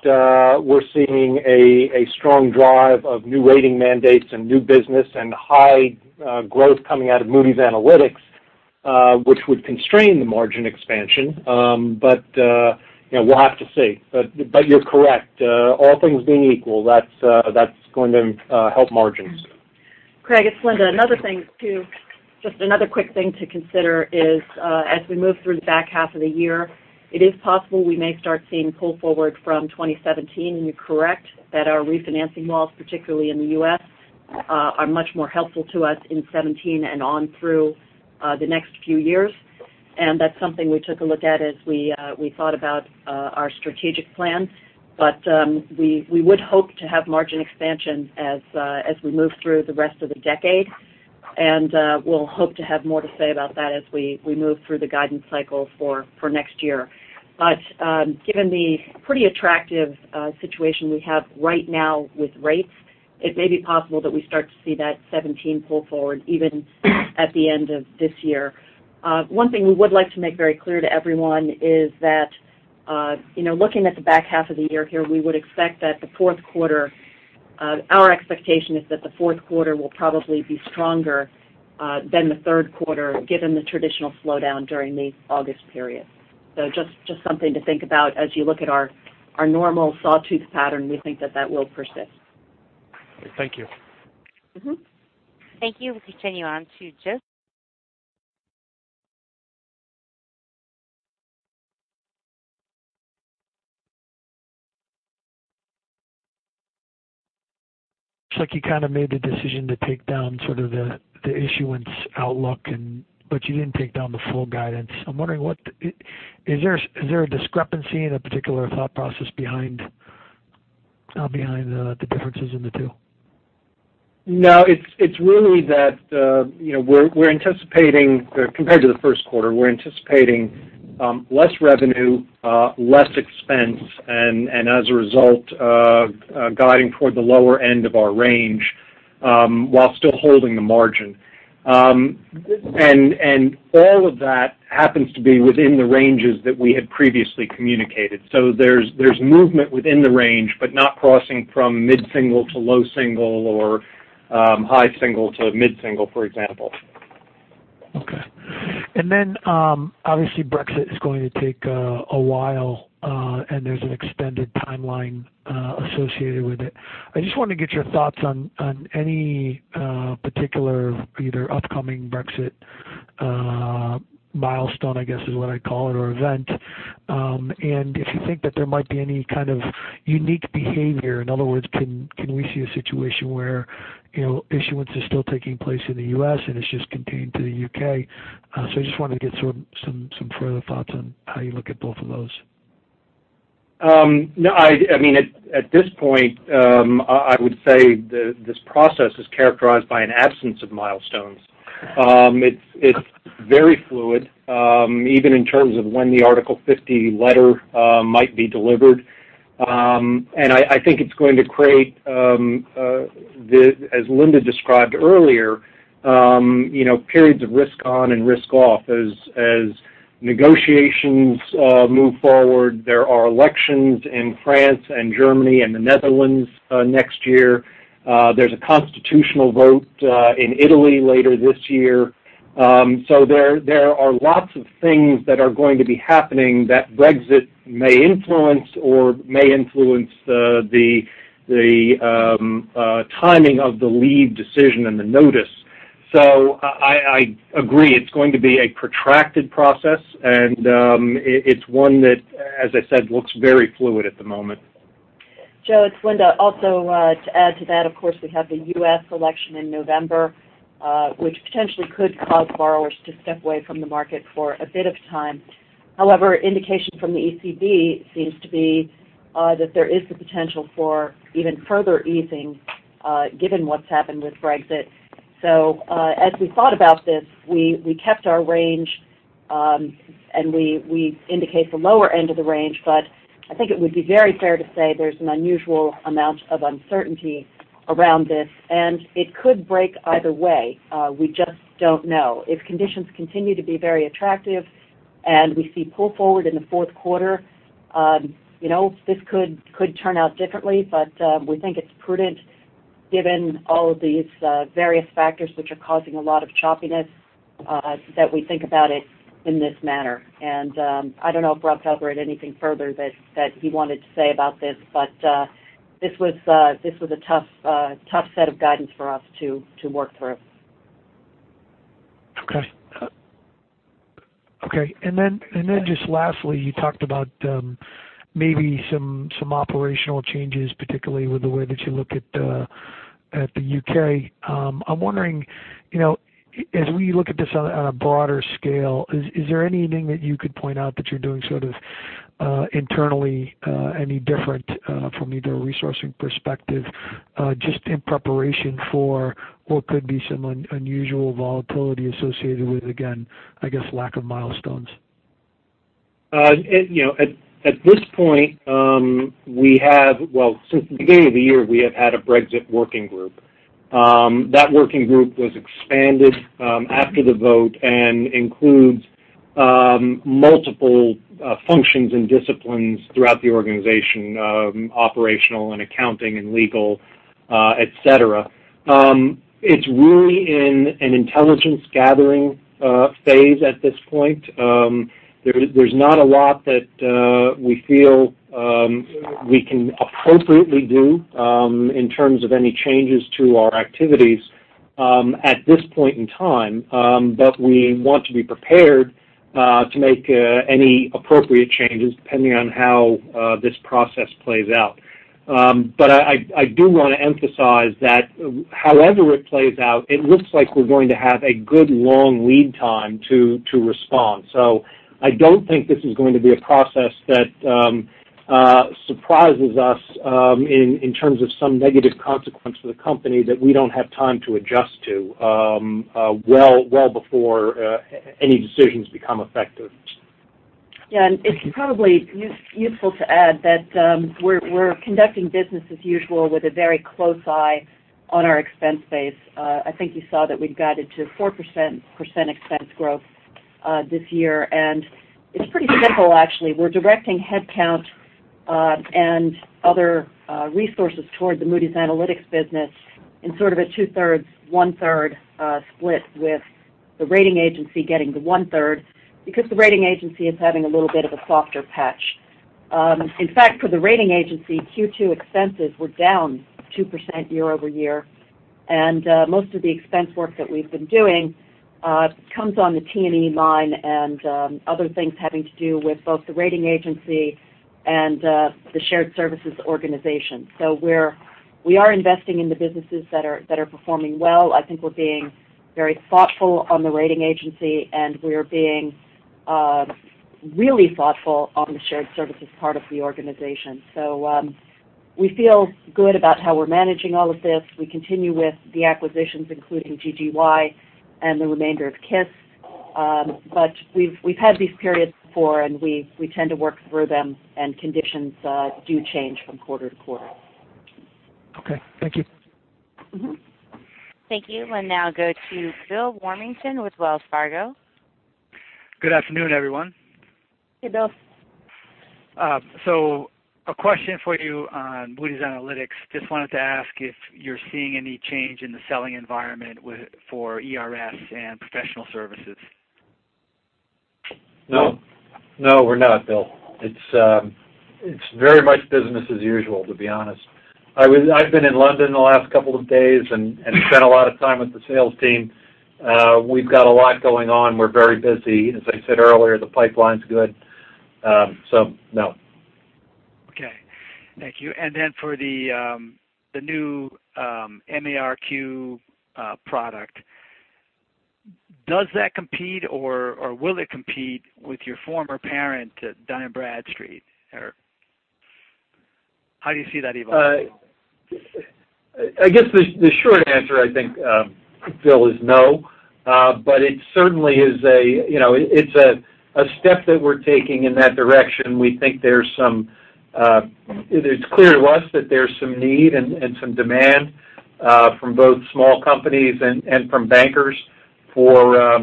we're seeing a strong drive of new rating mandates and new business and high growth coming out of Moody's Analytics, which would constrain the margin expansion. We'll have to see. You're correct. All things being equal, that's going to help margins. Craig, it's Linda. Just another quick thing to consider is as we move through the back half of the year, it is possible we may start seeing pull forward from 2017. You're correct that our refinancing walls, particularly in the U.S., are much more helpful to us in 2017 and on through the next few years. That's something we took a look at as we thought about our strategic plan. We would hope to have margin expansion as we move through the rest of the decade. We'll hope to have more to say about that as we move through the guidance cycle for next year. Given the pretty attractive situation we have right now with rates, it may be possible that we start to see that 2017 pull forward even at the end of this year. One thing we would like to make very clear to everyone is that looking at the back half of the year here, our expectation is that the fourth quarter will probably be stronger than the third quarter, given the traditional slowdown during the August period. Just something to think about as you look at our normal sawtooth pattern, we think that that will persist. Thank you. Thank you. We continue on to Joe. It's like you kind of made the decision to take down sort of the issuance outlook, you didn't take down the full guidance. I'm wondering, is there a discrepancy in a particular thought process behind the differences in the two? It's really that compared to the first quarter, we're anticipating less revenue, less expense, and as a result, guiding toward the lower end of our range while still holding the margin. All of that happens to be within the ranges that we had previously communicated. There's movement within the range, but not crossing from mid-single to low single or high single to mid-single, for example. Okay. Obviously Brexit is going to take a while, and there's an extended timeline associated with it. I just wanted to get your thoughts on any particular either upcoming Brexit milestone, I guess is what I'd call it, or event. If you think that there might be any kind of unique behavior. In other words, can we see a situation where issuance is still taking place in the U.S. and it's just contained to the U.K.? I just wanted to get some further thoughts on how you look at both of those. At this point, I would say this process is characterized by an absence of milestones. It's very fluid, even in terms of when the Article 50 letter might be delivered. I think it's going to create, as Linda described earlier, periods of risk on and risk off. As negotiations move forward, there are elections in France and Germany and the Netherlands next year. There's a constitutional vote in Italy later this year. There are lots of things that are going to be happening that Brexit may influence, or may influence the timing of the leave decision and the notice. I agree, it's going to be a protracted process and it's one that, as I said, looks very fluid at the moment. Joe, it's Linda. Also, to add to that, of course, we have the U.S. election in November, which potentially could cause borrowers to step away from the market for a bit of time. However, indication from the ECB seems to be that there is the potential for even further easing given what's happened with Brexit. As we thought about this, we kept our range, and we indicate the lower end of the range. I think it would be very fair to say there's an unusual amount of uncertainty around this, and it could break either way. We just don't know. If conditions continue to be very attractive and we see pull forward in the fourth quarter, this could turn out differently. We think it's prudent given all of these various factors which are causing a lot of choppiness, that we think about it in this manner. I don't know, Brent, whether there's anything further that you wanted to say about this was a tough set of guidance for us to work through. Okay. Just lastly, you talked about maybe some operational changes, particularly with the way that you look at the U.K. I'm wondering, as we look at this on a broader scale, is there anything that you could point out that you're doing internally any different from either a resourcing perspective, just in preparation for what could be some unusual volatility associated with, again, I guess, lack of milestones? At this point, well, since the beginning of the year, we have had a Brexit working group. That working group was expanded after the vote and includes multiple functions and disciplines throughout the organization, operational and accounting and legal, et cetera. It's really in an intelligence-gathering phase at this point. There's not a lot that we feel we can appropriately do in terms of any changes to our activities at this point in time. We want to be prepared to make any appropriate changes depending on how this process plays out. I do want to emphasize that however it plays out, it looks like we're going to have a good long lead time to respond. I don't think this is going to be a process that surprises us in terms of some negative consequence for the company that we don't have time to adjust to well before any decisions become effective. Yeah, it's probably useful to add that we're conducting business as usual with a very close eye on our expense base. I think you saw that we've guided to 4% expense growth this year. It's pretty simple, actually. We're directing headcount and other resources toward the Moody's Analytics business in sort of a two-thirds, one-third split with the rating agency getting the one-third because the rating agency is having a little bit of a softer patch. In fact, for the rating agency, Q2 expenses were down 2% year-over-year. Most of the expense work that we've been doing comes on the T&E line and other things having to do with both the rating agency and the shared services organization. We are investing in the businesses that are performing well. I think we're being very thoughtful on the rating agency, and we're being really thoughtful on the shared services part of the organization. We feel good about how we're managing all of this. We continue with the acquisitions, including GGY and the remainder of KIS. We've had these periods before, and we tend to work through them, and conditions do change from quarter to quarter. Okay. Thank you. Thank you. We'll now go to Bill Warmington with Wells Fargo. Good afternoon, everyone. Hey, Bill. A question for you on Moody's Analytics. Just wanted to ask if you're seeing any change in the selling environment for ERS and professional services. No. No, we're not, Bill. It's very much business as usual, to be honest. I've been in London the last couple of days and spent a lot of time with the sales team. We've got a lot going on. We're very busy. As I said earlier, the pipeline's good. So, no. Okay. Thank you. For the new MARQ product, does that compete or will it compete with your former parent at Dun & Bradstreet? How do you see that evolving? I guess the short answer, I think, Bill, is no. It certainly is a step that we're taking in that direction. It is clear to us that there's some need and some demand, from both small companies and from bankers, for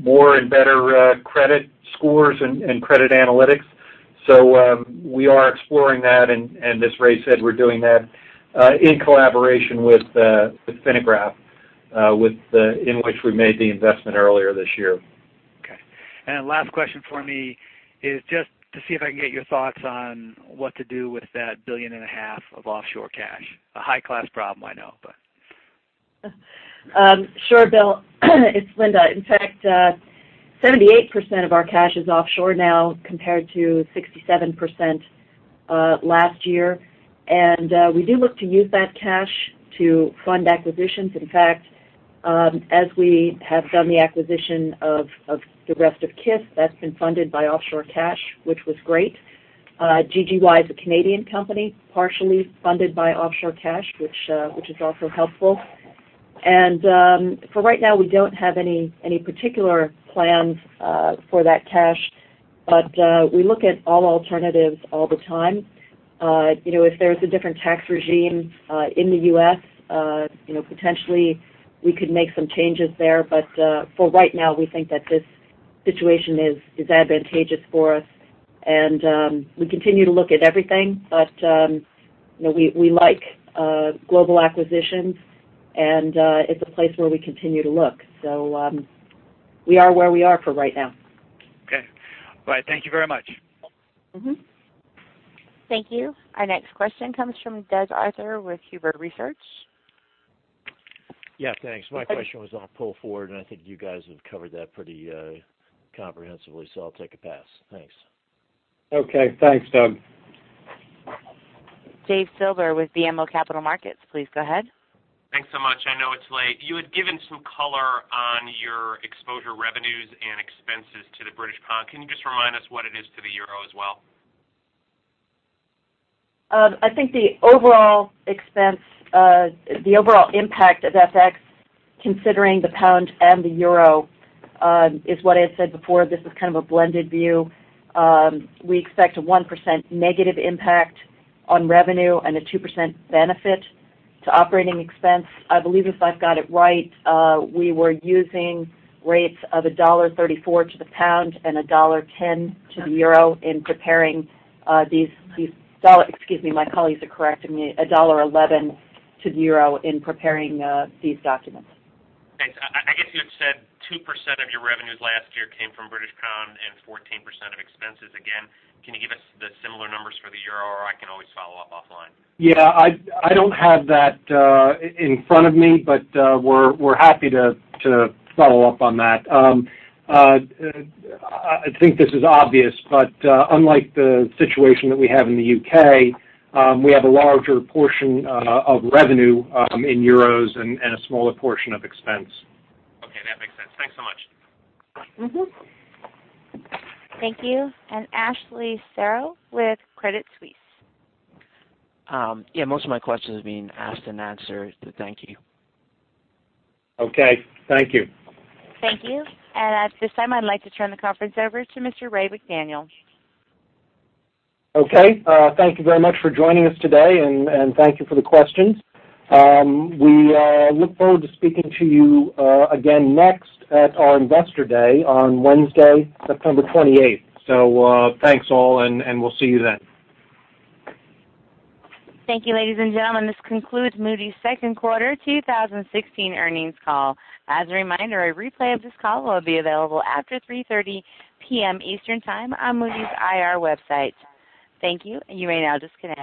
more and better credit scores and credit analytics. We are exploring that, and as Ray said, we're doing that in collaboration with Finagraph, in which we made the investment earlier this year. Okay. Last question for me is just to see if I can get your thoughts on what to do with that $1.5 billion of offshore cash. A high-class problem, I know. Sure, Bill. It's Linda. In fact, 78% of our cash is offshore now, compared to 67% last year. We do look to use that cash to fund acquisitions. In fact, as we have done the acquisition of the rest of KIS, that's been funded by offshore cash, which was great. GGY is a Canadian company, partially funded by offshore cash, which is also helpful. For right now, we don't have any particular plans for that cash. We look at all alternatives all the time. If there's a different tax regime in the U.S., potentially we could make some changes there. For right now, we think that this situation is advantageous for us. We continue to look at everything, but we like global acquisitions, and it's a place where we continue to look. We are where we are for right now. Okay. All right. Thank you very much. Thank you. Our next question comes from Doug Arthur with Huber Research Partners. Yeah, thanks. My question was on Pull Forward, and I think you guys have covered that pretty comprehensively, so I'll take a pass. Thanks. Okay, thanks, Doug. David Silver with BMO Capital Markets, please go ahead. Thanks so much. I know it's late. You had given some color on your exposure revenues and expenses to the GBP. Can you just remind us what it is to the EUR as well? I think the overall impact of FX, considering the GBP and the EUR, is what I had said before. This is kind of a blended view. We expect a 1% negative impact on revenue and a 2% benefit to operating expense. I believe if I've got it right, we were using rates of $1.34 to the GBP and $1.10 to the EUR. Excuse me, my colleagues are correcting me, $1.11 to the EUR in preparing these documents. Thanks. I guess you had said 2% of your revenues last year came from GBP and 14% of expenses. Again, can you give us the similar numbers for the EUR, or I can always follow up offline? Yeah, I don't have that in front of me. We're happy to follow up on that. I think this is obvious. Unlike the situation that we have in the U.K., we have a larger portion of revenue in EUR and a smaller portion of expense. Okay, that makes sense. Thanks so much. Thank you. Ashley Serrao with Credit Suisse. Yeah, most of my questions have been asked and answered, thank you. Okay, thank you. Thank you. At this time, I'd like to turn the conference over to Mr. Raymond McDaniel. Thank you very much for joining us today, thank you for the questions. We look forward to speaking to you again next at our Investor Day on Wednesday, September 28th. Thanks all, and we'll see you then. Thank you, ladies and gentlemen. This concludes Moody's second quarter 2016 earnings call. As a reminder, a replay of this call will be available after 3:30 P.M. Eastern Time on Moody's IR website. Thank you. You may now disconnect.